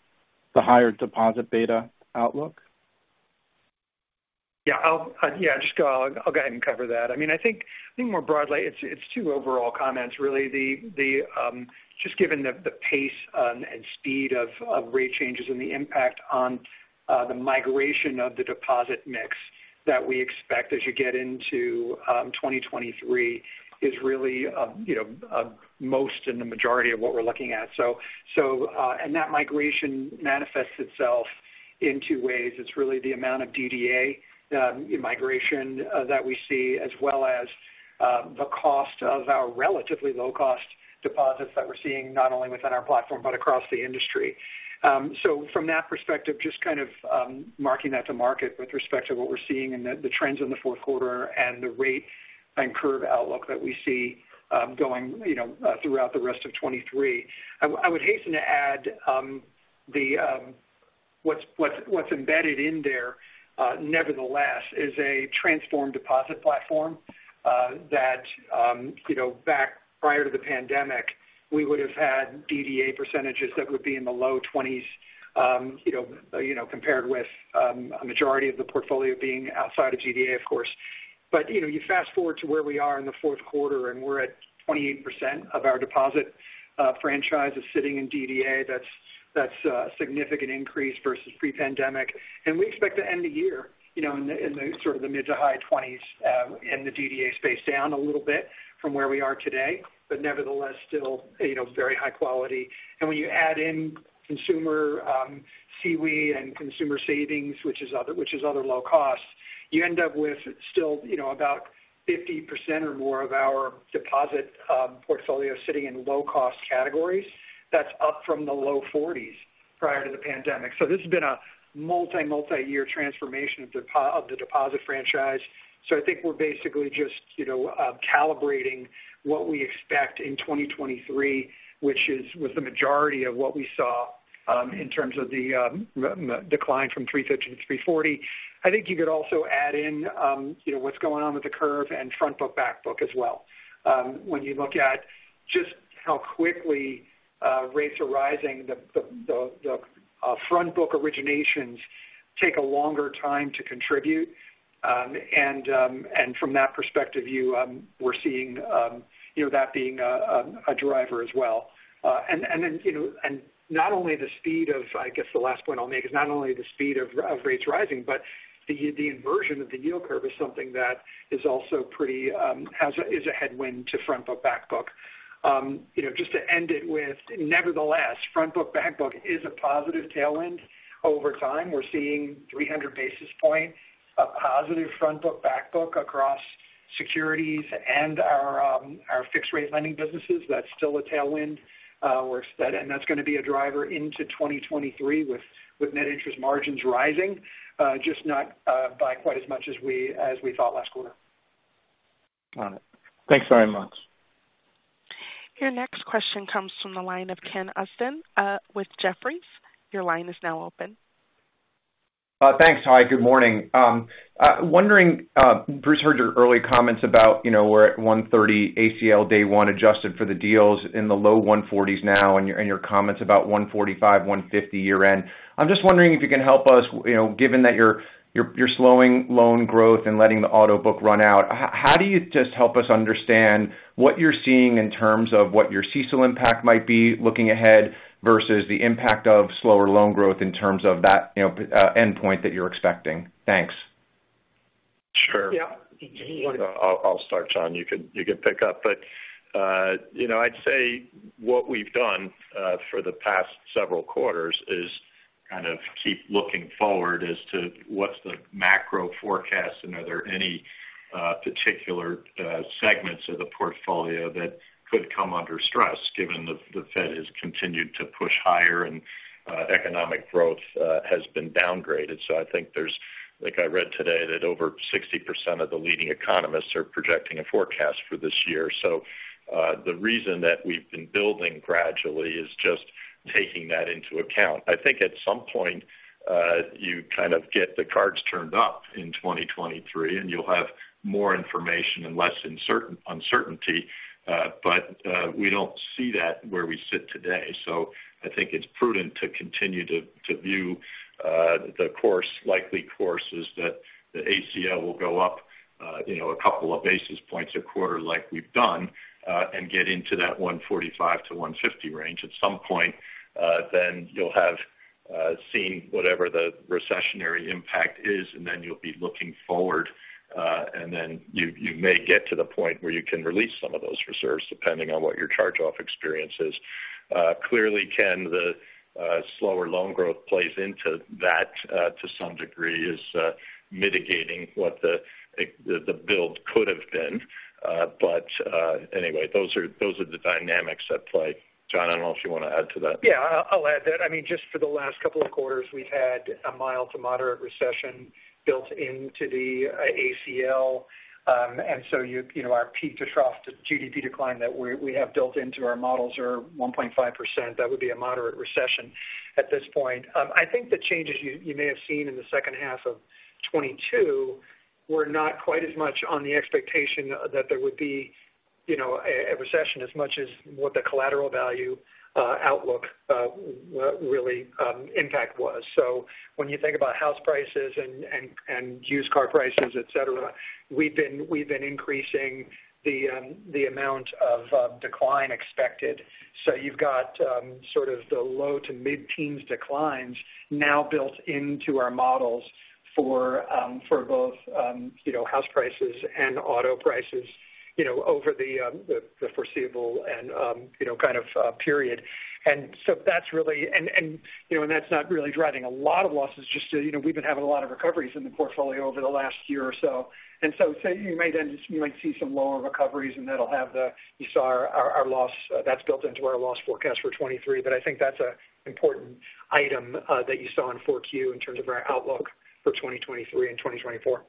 S8: the higher deposit beta outlook?
S4: Yeah, I'll just go. I'll go ahead and cover that. I mean, I think more broadly it's two overall comments really. The, just given the pace and speed of rate changes and the impact on the migration of the deposit mix that we expect as you get into 2023 is really, you know, most in the majority of what we're looking at. That migration manifests itself in two ways. It's really the amount of DDA migration that we see, as well as the cost of our relatively low cost deposits that we're seeing not only within our platform but across the industry. From that perspective, just kind of marking that to market with respect to what we're seeing and the trends in the fourth quarter and the rate and curve outlook that we see going throughout the rest of 2023. I would hasten to add, what's embedded in there, nevertheless, is a transformed deposit platform that back prior to the pandemic, we would have had DDA percentages that would be in the low 20s compared with a majority of the portfolio being outside of DDA, of course. You fast-forward to where we are in the fourth quarter, and we're at 28% of our deposit franchise is sitting in DDA. That's a significant increase vs pre-pandemic. We expect to end the year, you know, sort of the mid-to-high-20s in the DDA space, down a little bit from where we are today. Nevertheless, still, you know, very high quality. When you add in consumer, commercial and consumer savings, which is other low costs, you end up with still, you know, about 50% or more of our deposit portfolio sitting in low-cost categories. That's up from the low 40s prior to the pandemic. This has been a multi-year transformation of the deposit franchise. I think we're basically just, you know, calibrating what we expect in 2023, which is, was the majority of what we saw in terms of the decline from $350 to $340. I think you could also add in, you know, what's going on with the curve and front book/back book as well. When you look at just how quickly rates are rising, the front book originations take a longer time to contribute. From that perspective view, we're seeing, you know, that being a driver as well. Then, you know, I guess the last point I'll make is not only the speed of rates rising, but the inversion of the yield curve is something that is also pretty has a, is a headwind to front book/back book. You know, just to end it with, nevertheless, front book/back book is a positive tailwind over time. We're seeing 300 basis points of positive front book/back book across securities and our fixed rate lending businesses. That's still a tailwind. That's gonna be a driver into 2023 with net interest margins rising, just not by quite as much as we thought last quarter.
S8: Got it. Thanks very much.
S1: Your next question comes from the line of Ken Usdin, with Jefferies. Your line is now open.
S9: Thanks. Hi, good morning. wondering, Bruce, heard your early comments about, you know, we're at 130 ACL day one, adjusted for the deals in the low 140s now, and your comments about 145, 150 year-end. I'm just wondering if you can help us, you know, given that you're slowing loan growth and letting the auto book run out. How do you just help us understand what you're seeing in terms of what your CECL impact might be looking ahead vs the impact of slower loan growth in terms of that, you know, endpoint that you're expecting? Thanks.
S4: Yeah.
S3: Sure. I'll start, John. You can pick up. You know, I'd say what we've done for the past several quarters is kind of keep looking forward as to what's the macro forecast and are there any particular segments of the portfolio that could come under stress given the Fed has continued to push higher and economic growth has been downgraded. I think there's, like I read today, that over 60% of the leading economists are projecting a forecast for this year. The reason that we've been building gradually is just taking that into account. I think at some point, you kind of get the cards turned up in 2023, and you'll have more information and less uncertainty, but we don't see that where we sit today. I think it's prudent to continue to view, the course, likely courses that the ACL will go up, you know, a couple of basis points a quarter like we've done, and get into that 145-150 range. At some point, then you'll have, seen whatever the recessionary impact is, and then you'll be looking forward, and then you may get to the point where you can release some of those reserves depending on what your charge-off experience is. Clearly, Ken, the slower loan growth plays into that, to some degree, is mitigating what the, the build could have been. Anyway, those are, those are the dynamics at play. John, I don't know if you wanna add to that.
S4: Yeah, I'll add that. I mean, just for the last couple of quarters, we've had a mild to moderate recession built into the ACL. You know, our peak to trough to GDP decline that we have built into our models are 1.5%. That would be a moderate recession at this point. I think the changes you may have seen in the second half of 2022 were not quite as much on the expectation that there would be, you know, a recession as much as what the collateral value outlook really impact was. When you think about house prices and used car prices, et cetera, we've been increasing the amount of decline expected. You've got, sort of the low to mid-teens declines now built into our models for both, house prices and auto prices, over the foreseeable and, kind of, period. That's really not really driving a lot of losses. Just, we've been having a lot of recoveries in the portfolio over the last year or so. You might see some lower recoveries, and that'll have You saw our loss that's built into our loss forecast for 23. I think that's an important item that you saw in 4Q in terms of our outlook for 2023 and 2024.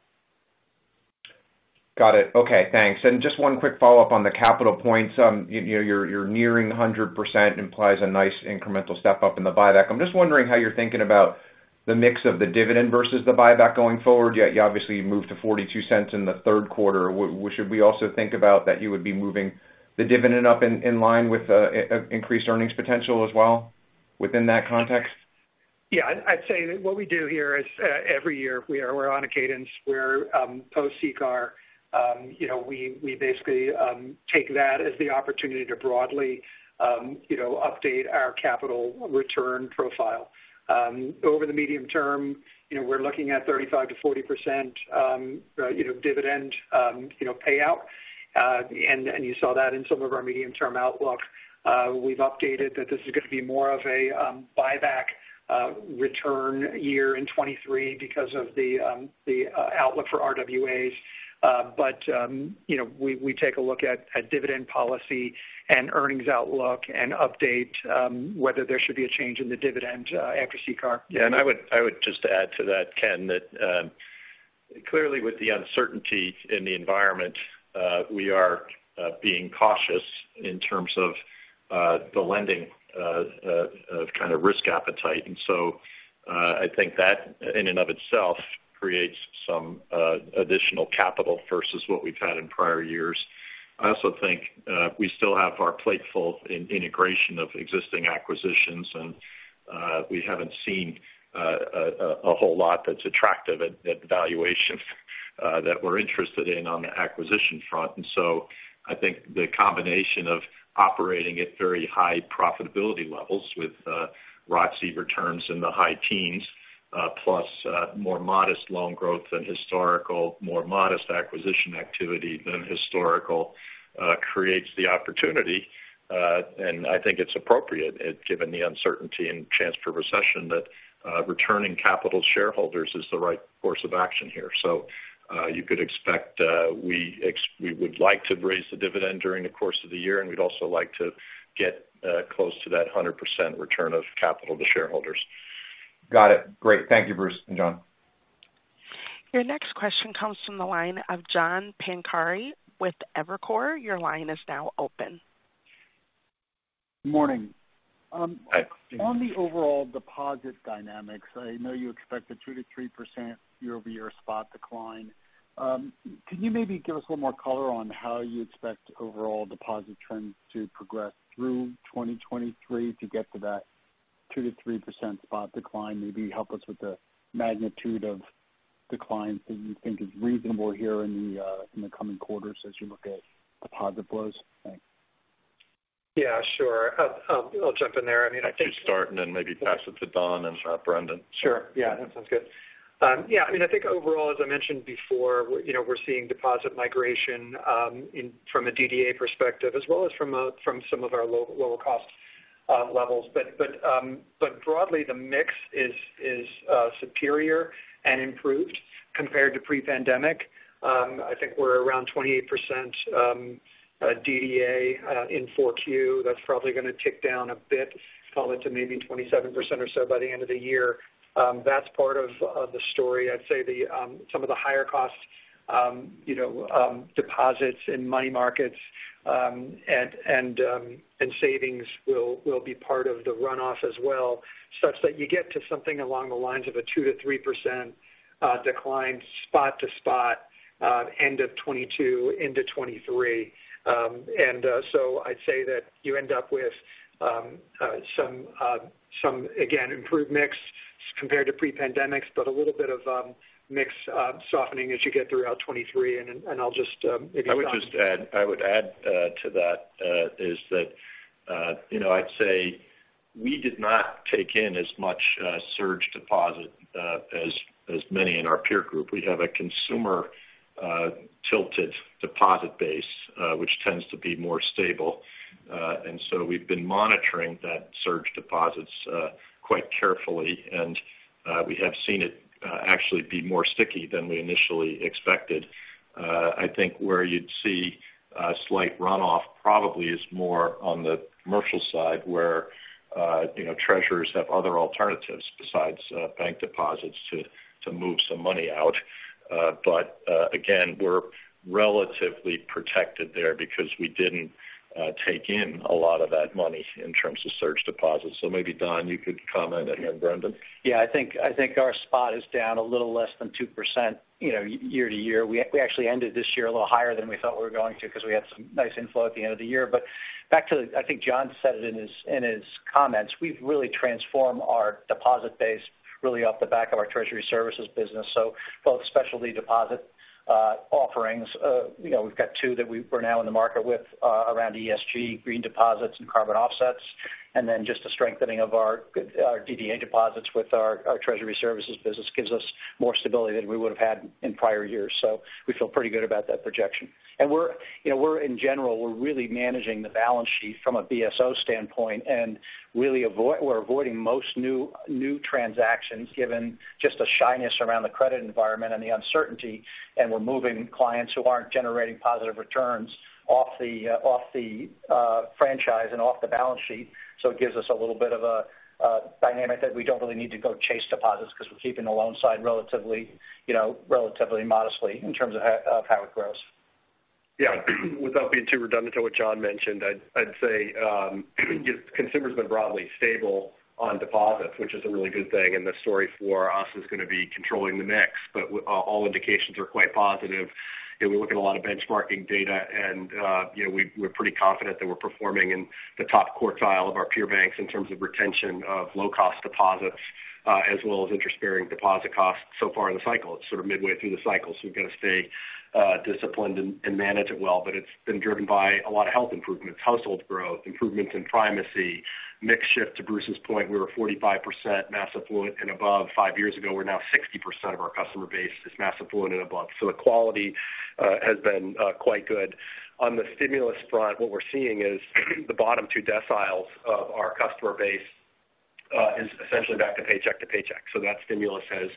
S9: Got it. Okay, thanks. Just one quick follow-up on the capital points. You know, you're nearing 100% implies a nice incremental step-up in the buyback. I'm just wondering how you're thinking about the mix of the dividend vs the buyback going forward. You obviously moved to $0.42 in the third quarter. What should we also think about that you would be moving the dividend up in line with, increased earnings potential as well within that context?
S4: Yeah, I'd say that what we do here is, every year we're on a cadence. We're post CCAR. You know, we basically take that as the opportunity to broadly, you know, update our capital return profile. Over the medium term, you know, we're looking at 35%-40%, you know, dividend, you know, payout. And you saw that in some of our medium-term outlook. We've updated that this is gonna be more of a buyback return year in 2023 because of the outlook for RWAs. But, you know, we take a look at dividend policy and earnings outlook and update whether there should be a change in the dividend after CCAR.
S3: Yeah. I would just add to that, Ken, that clearly with the uncertainty in the environment, we are being cautious in terms of the lending of kind of risk appetite. I think that in and of itself creates some additional capital vs what we've had in prior years. I also think, we still have our plate full in integration of existing acquisitions, and we haven't seen a whole lot that's attractive at valuation that we're interested in on the acquisition front. I think the combination of operating at very high profitability levels with ROCE returns in the high teens, plus more modest loan growth than historical, more modest acquisition activity than historical, creates the opportunity. I think it's appropriate given the uncertainty and chance for recession that returning capital to shareholders is the right course of action here. You could expect, we would like to raise the dividend during the course of the year, and we'd also like to get close to that 100% return of capital to shareholders.
S9: Got it. Great. Thank you, Bruce and John.
S1: Your next question comes from the line of John Pancari with Evercore. Your line is now open.
S10: Morning. On the overall deposit dynamics, I know you expect a 2%-3% year-over-year spot decline. Can you maybe give us a little more color on how you expect overall deposit trends to progress through 2023 to get to that 2%-3% spot decline? Maybe help us with the magnitude of declines that you think is reasonable here in the coming quarters as you look at deposit flows. Thanks.
S4: Yeah, sure. I'll jump in there. I mean.
S3: I'll let you start and then maybe pass it to Don and Brendan.
S4: Sure. Yeah, that sounds good. Yeah, I mean, I think overall, as I mentioned before, you know, we're seeing deposit migration from a DDA perspective as well as from some of our low-lower cost levels. Broadly, the mix is superior and improved compared to pre-pandemic. I think we're around 28% DDA in 4Q. That's probably gonna tick down a bit, call it to maybe 27% or so by the end of the year. That's part of the story. I'd say the, some of the higher costs, you know, deposits in money markets, and savings will be part of the runoff as well, such that you get to something along the lines of a 2%-3% decline spot to spot, end of 2022 into 2023. I'd say that you end up with, some, again, improved mix compared to pre-pandemics, but a little bit of, mix, softening as you get throughout 2023. I'll just, maybe-
S3: I would add to that, you know, I'd say we did not take in as much surge deposit as many in our peer group. We have a consumer tilted deposit base which tends to be more stable. We've been monitoring that surge deposits quite carefully. We have seen it actually be more sticky than we initially expected. I think where you'd see a slight runoff probably is more on the commercial side where, you know, treasurers have other alternatives besides bank deposits to move some money out. Again, we're relatively protected there because we didn't take in a lot of that money in terms of surge deposits. Maybe, Don, you could comment, and then Brendan.
S6: Yeah. I think our spot is down a little less than 2%, you know, year-to-year. We actually ended this year a little higher than we thought we were going to because we had some nice inflow at the end of the year. Back to the. I think John said it in his comments. We've really transformed our deposit base really off the back of our treasury services business. Both specialty deposit offerings. You know, we've got two that we're now in the market with around ESG green deposits and carbon offsets. Just the strengthening of our DDA deposits with our treasury services business gives us more stability than we would've had in prior years. We feel pretty good about that projection. We're, you know, in general, really managing the balance sheet from a BSO standpoint, we're avoiding most new transactions given just the shyness around the credit environment and the uncertainty. We're moving clients who aren't generating positive returns off the off the franchise and off the balance sheet. It gives us a little bit of a dynamic that we don't really need to go chase deposits because we're keeping the loan side relatively, you know, modestly in terms of how it grows.
S7: Yeah. Without being too redundant to what John mentioned, I'd say, consumer's been broadly stable on deposits, which is a really good thing. All indications are quite positive. We look at a lot of benchmarking data and, you know, we're pretty confident that we're performing in the top quartile of our peer banks in terms of retention of low-cost deposits, as well as interest-bearing deposit costs so far in the cycle. It's sort of midway through the cycle, we've got to stay disciplined and manage it well. It's been driven by a lot of health improvements, household growth, improvements in primacy, mix shift to Bruce's point. We were 45% mass affluent and above five years ago. We're now 60% of our customer base is mass affluent and above. The quality has been quite good. On the stimulus front, what we're seeing is the bottom 2 deciles of our customer base is essentially back to paycheck to paycheck. That stimulus has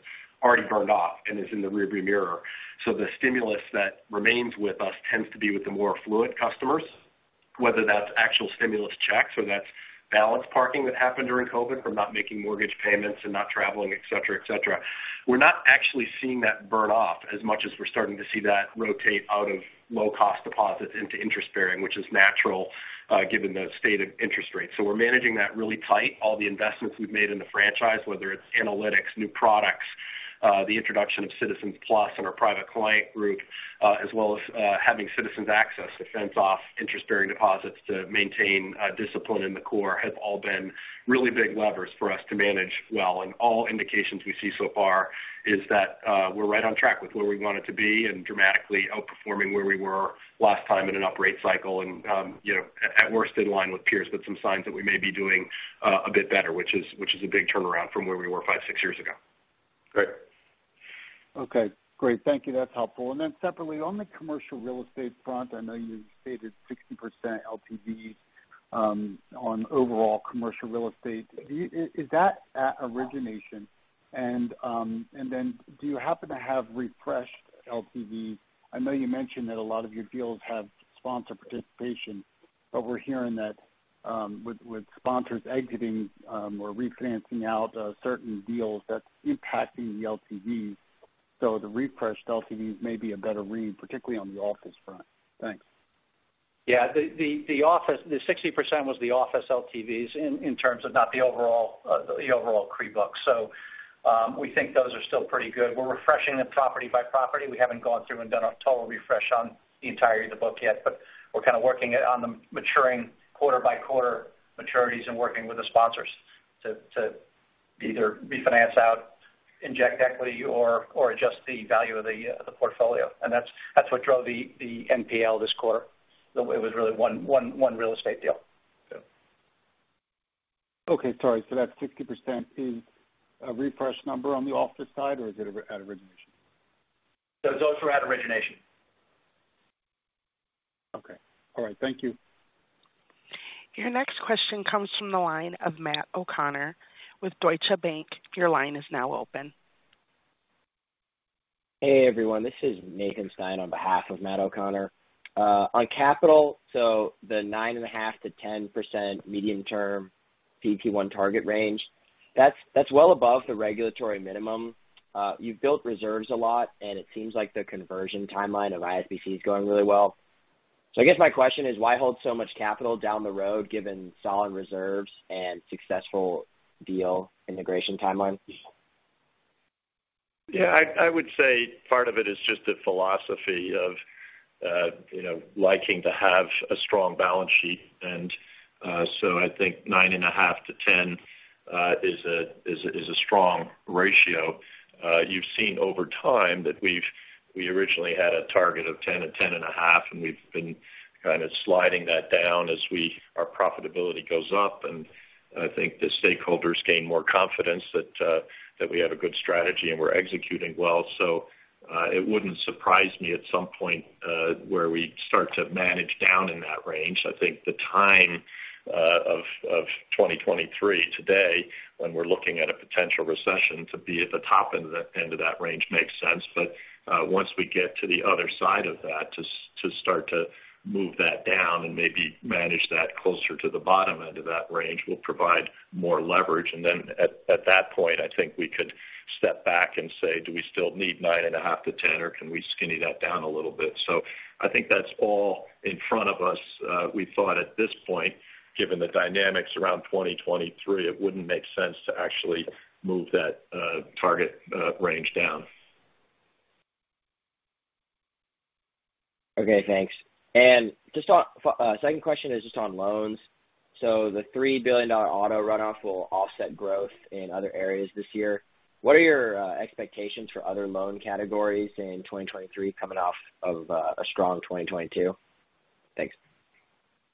S7: already burned off and is in the rearview mirror. The stimulus that remains with us tends to be with the more fluid customers, whether that's actual stimulus checks or that's balance parking that happened during COVID from not making mortgage payments and not traveling, et cetera, et cetera. We're not actually seeing that burn off as much as we're starting to see that rotate out of low-cost deposits into interest bearing, which is natural, given the state of interest rates. We're managing that really tight. All the investments we've made in the franchise, whether it's analytics, new products, the introduction of CitizensPlus in our Private Client Group, as well as having Citizens Access to fence off interest-bearing deposits to maintain discipline in the core, have all been really big levers for us to manage well. All indications we see so far is that we're right on track with where we want it to be and dramatically outperforming where we were last time in an uprate cycle. You know, at worst, in line with peers, but some signs that we may be doing a bit better, which is a big turnaround from where we were five, six years ago.
S3: Great.
S10: Okay, great. Thank you. That's helpful. Separately, on the commercial real estate front, I know you stated 60% LTV on overall commercial real estate. Is that at origination? Do you happen to have refreshed LTV? I know you mentioned that a lot of your deals have sponsor participation, but we're hearing that with sponsors exiting or refinancing out certain deals that's impacting the LTV. The refreshed LTVs may be a better read, particularly on the office front. Thanks.
S6: The 60% was the office LTVs in terms of not the overall, the overall CRE book. We think those are still pretty good. We're refreshing them property by property. We haven't gone through and done a total refresh on the entirety of the book yet, but we're kind of working it on the maturing quarter by quarter maturities and working with the sponsors to either refinance out, inject equity or adjust the value of the portfolio. That's what drove the NPL this quarter. It was really one real estate deal.
S10: Okay, sorry. That 60% is a refresh number on the office side, or is it at origination?
S6: Those were at origination.
S10: Okay. All right. Thank you.
S1: Your next question comes from the line of Matt O'Connor with Deutsche Bank. Your line is now open.
S11: Hey, everyone. This is Nathan Stovall on behalf of Matt O'Connor. On capital, the 9.5%-10% medium-term CET1 target range, that's well above the regulatory minimum. You've built reserves a lot, and it seems like the conversion timeline of ISBC is going really well. I guess my question is, why hold so much capital down the road given solid reserves and successful deal integration timelines?
S3: I would say part of it is just a philosophy of, you know, liking to have a strong balance sheet. I think 9.5-10 is a strong ratio. You've seen over time that we originally had a target of 10-10.5, and we've been kind of sliding that down as our profitability goes up. I think the stakeholders gain more confidence that we have a good strategy and we're executing well. It wouldn't surprise me at some point where we start to manage down in that range. I think the time of 2023 today, when we're looking at a potential recession to be at the top end of that range makes sense. Once we get to the other side of that to start to move that down and maybe manage that closer to the bottom end of that range will provide more leverage. Then at that point, I think we could step back and say, "Do we still need 9.5-10, or can we skinny that down a little bit?" I think that's all in front of us. We thought at this point, given the dynamics around 2023, it wouldn't make sense to actually move that target range down.
S11: Okay, thanks. Second question is just on loans. The $3 billion auto runoff will offset growth in other areas this year. What are your expectations for other loan categories in 2023 coming off of a strong 2022? Thanks.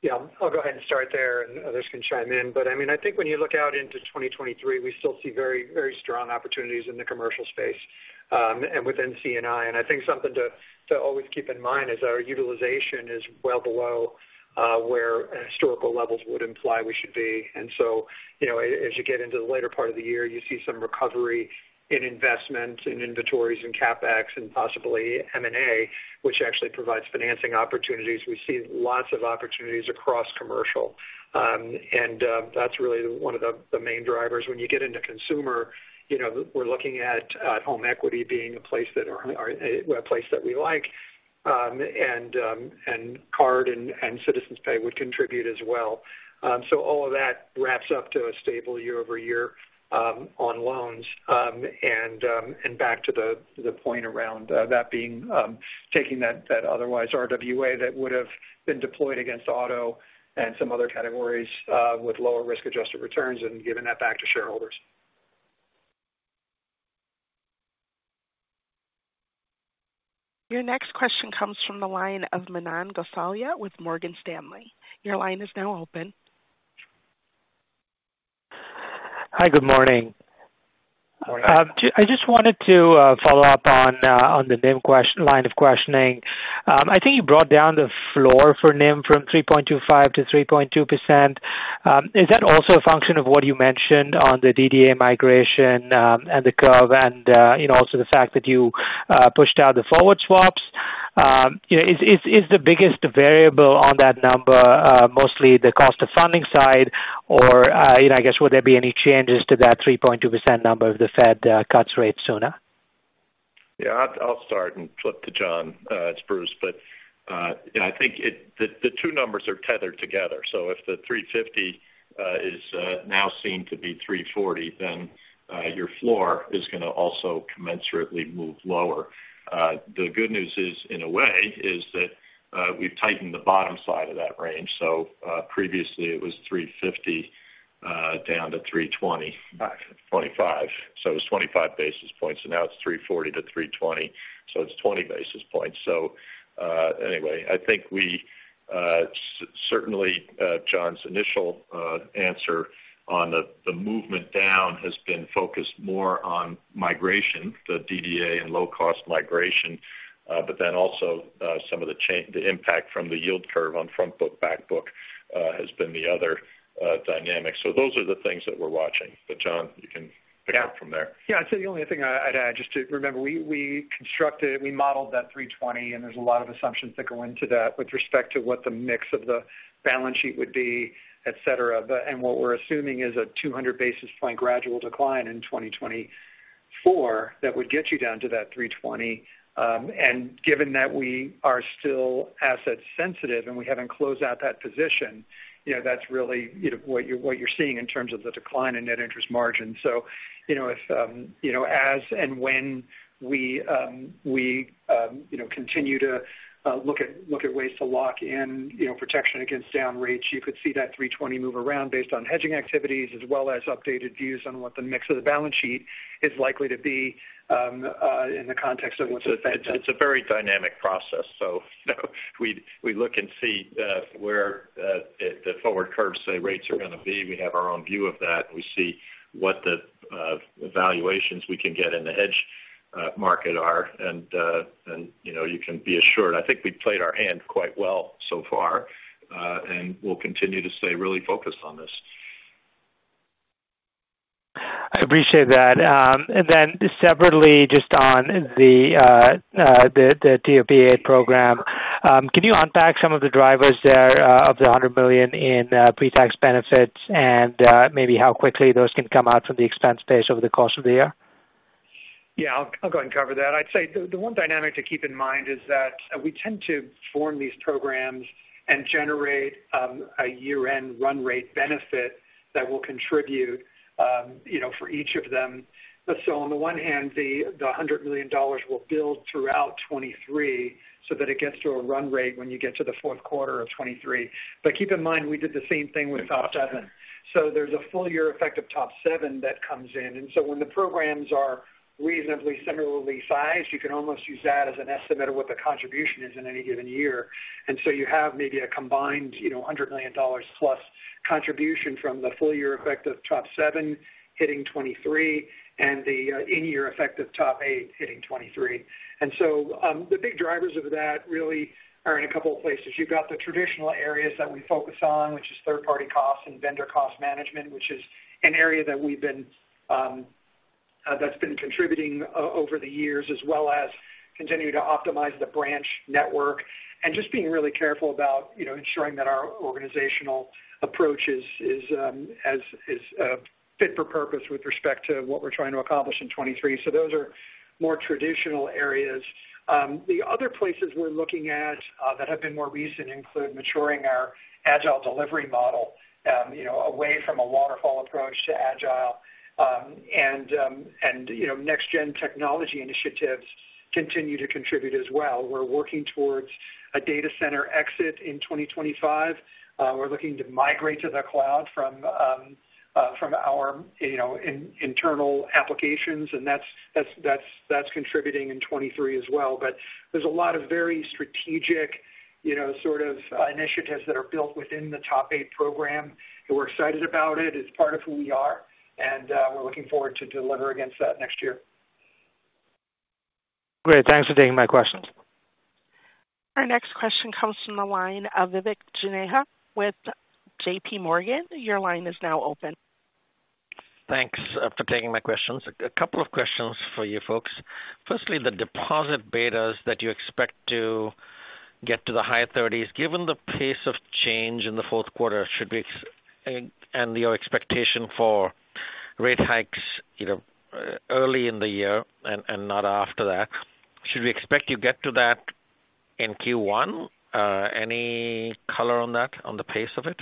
S4: Yeah. I'll go ahead and start there, and others can chime in. I mean, I think when you look out into 2023, we still see very, very strong opportunities in the commercial space, and within C&I. I think something to always keep in mind is our utilization is well below where historical levels would imply we should be. You know, as you get into the later part of the year, you see some recovery in investment, in inventories and CapEx and possibly M&A, which actually provides financing opportunities. We see lots of opportunities across commercial. That's really one of the main drivers. When you get into consumer, you know, we're looking at home equity being a place that we like. And card and Citizens Pay would contribute as well. All of that wraps up to a stable year-over-year on loans. Back to the point around that being taking that otherwise RWA that would have been deployed against auto and some other categories with lower risk-adjusted returns and giving that back to shareholders.
S1: Your next question comes from the line of Manan Gosalia with Morgan Stanley. Your line is now open.
S12: Hi. Good morning.
S4: Morning.
S12: I just wanted to follow up on the NIM line of questioning. I think you brought down the floor for NIM from 3.25 to 3.2%. Is that also a function of what you mentioned on the DDA migration, and the curve and, you know, also the fact that you pushed out the forward swaps? You know, is the biggest variable on that number mostly the cost of funding side, or, you know, I guess would there be any changes to that 3.2% number if the Fed cuts rates sooner?
S3: Yeah. I'll start and flip to John. It's Bruce. You know, I think the two numbers are tethered together. If the 350 is now seen to be 340, your floor is gonna also commensurately move lower. The good news is, in a way, is that we've tightened the bottom side of that range. Previously it was 350, down to 320-
S4: Right.
S3: 25. It was 25 basis points, now it's 340 to 320, so it's 20 basis points. Anyway, I think we certainly John's initial answer on the movement down has been focused more on migration, the DDA and low cost migration. Also, some of the impact from the yield curve on front book, back book has been the other dynamic. Those are the things that we're watching. John, you can pick up from there.
S4: Yeah. I'd say the only thing I'd add just to remember, we constructed, we modeled that 320. There's a lot of assumptions that go into that with respect to what the mix of the balance sheet would be, et cetera. What we're assuming is a 200 basis point gradual decline in 2024 that would get you down to that 320. Given that we are still asset sensitive and we haven't closed out that position, you know, that's really, you know, what you're seeing in terms of the decline in net interest margin. you know, if, you know, as and when we, you know, continue to look at ways to lock in, you know, protection against down rates, you could see that 320 move around based on hedging activities as well as updated views on what the mix of the balance sheet is likely to be in the context of what the Fed does.
S3: It's a very dynamic process. We look and see where the forward curves say rates are gonna be. We have our own view of that. We see what the valuations we can get in the hedge market are. You know, you can be assured. I think we played our hand quite well so far, and we'll continue to stay really focused on this.
S12: I appreciate that. Then separately, just on the TOP 8 program. Can you unpack some of the drivers there of the $100 million in pretax benefits and maybe how quickly those can come out from the expense base over the course of the year?
S4: Yeah, I'll go and cover that. I'd say the one dynamic to keep in mind is that we tend to form these programs and generate a year-end run rate benefit that will contribute, you know, for each of them. On the one hand, the $100 million will build throughout 2023 so that it gets to a run rate when you get to the fourth quarter of 2023. Keep in mind, we did the same thing with TOP 7. There's a full year effect of TOP 7 that comes in. When the programs are reasonably similarly sized, you can almost use that as an estimate of what the contribution is in any given year. You have maybe a combined, you know, $100 million plus contribution from the full year effect of TOP 7 hitting 2023 and the in-year effect of TOP 8 hitting 2023. The big drivers of that really are in a couple of places. You've got the traditional areas that we focus on, which is third party costs and vendor cost management, which is an area that we've been that's been contributing over the years as well as continuing to optimize the branch network and just being really careful about, you know, ensuring that our organizational approach is, as, is fit for purpose with respect to what we're trying to accomplish in 2023. Those are more traditional areas. The other places we're looking at that have been more recent include maturing our agile delivery model, you know, away from a waterfall approach to agile. You know, next gen technology initiatives continue to contribute as well. We're working towards a data center exit in 2025. We're looking to migrate to the cloud from our, you know, internal applications, and that's contributing in 2023 as well. There's a lot of very strategic, you know, sort of initiatives that are built within the TOP 8 program, and we're excited about it. It's part of who we are, and we're looking forward to deliver against that next year.
S12: Great. Thanks for taking my questions.
S1: Our next question comes from the line of Vivek Juneja with J.P. Morgan. Your line is now open.
S13: Thanks for taking my questions. A couple of questions for you folks. Firstly, the deposit betas that you expect to get to the high 30s, given the pace of change in the fourth quarter should be and your expectation for rate hikes, you know, early in the year, and not after that. Should we expect you get to that in Q1? Any color on that, on the pace of it,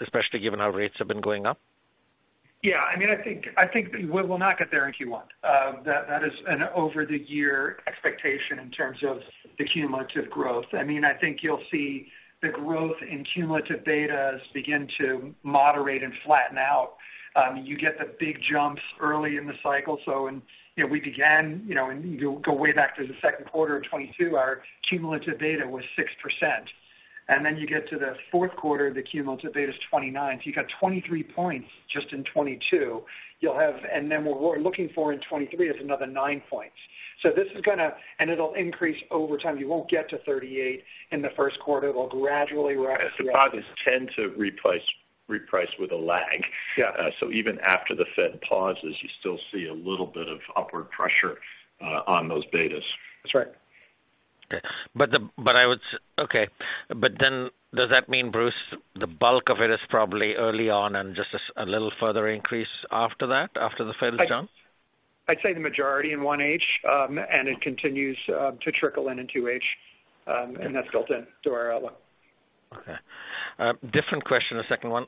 S13: especially given our rates have been going up?
S4: Yeah. I mean, I think we will not get there in Q1. That is an over the year expectation in terms of the cumulative growth. I mean, I think you'll see the growth in cumulative betas begin to moderate and flatten out. You get the big jumps early in the cycle. You know, we began, you know, you go way back to the second quarter of 2022, our cumulative beta was 6%. You get to the fourth quarter, the cumulative beta is 29. You've got 23 points just in 2022. What we're looking for in 2023 is another 9 points. It'll increase over time. You won't get to 38 in the first quarter. It will gradually rise.
S3: Deposits tend to reprice with a lag.
S4: Yeah.
S3: Even after the Fed pauses, you still see a little bit of upward pressure on those betas.
S4: That's right.
S13: Does that mean, Bruce, the bulk of it is probably early on and just a little further increase after that, after the Fed jumps?
S4: I'd say the majority in one H, and it continues to trickle in in two H. That's built in to our outlook.
S13: Okay. different question, the second one.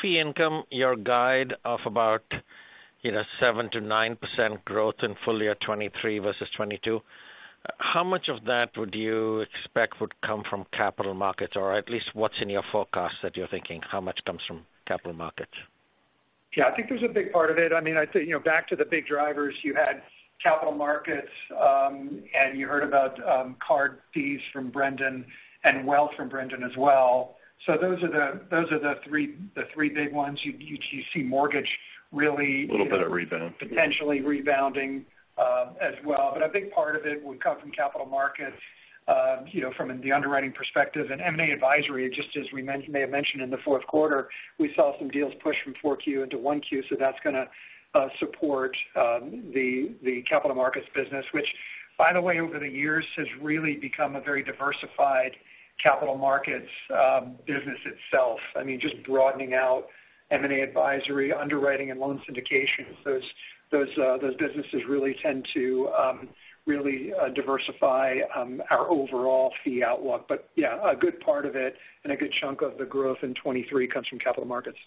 S13: Fee income, your guide of about either 7%-9% growth in full year 2023 vs 2022, how much of that would you expect would come from capital markets or at least what's in your forecast that you're thinking how much comes from capital markets?
S4: Yeah, I think there's a big part of it. I mean, I think, you know, back to the big drivers, you had capital markets, and you heard about card fees from Brendan and wealth from Brendan as well. Those are the three big ones. You see mortgage really-
S3: A little bit of rebound.
S4: Potentially rebounding as well. I think part of it would come from capital markets, you know, from the underwriting perspective. M&A advisory, just as we may have mentioned in the fourth quarter, we saw some deals push from four Q into one Q. That's gonna support the capital markets business, which by the way, over the years has really become a very diversified capital markets business itself. I mean, just broadening out M&A advisory, underwriting and loan syndications. Those businesses really tend to really diversify our overall fee outlook. Yeah, a good part of it and a good chunk of the growth in 23 comes from capital markets.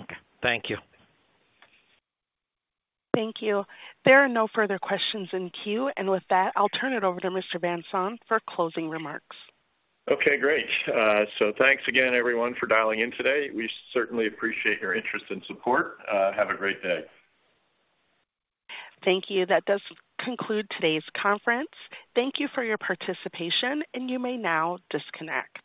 S13: Okay. Thank you.
S1: Thank you. There are no further questions in queue. With that, I'll turn it over to Mr. Van Saun for closing remarks.
S3: Okay, great. Thanks again everyone for dialing in today. We certainly appreciate your interest and support. Have a great day.
S1: Thank you. That does conclude today's conference. Thank you for your participation, and you may now disconnect.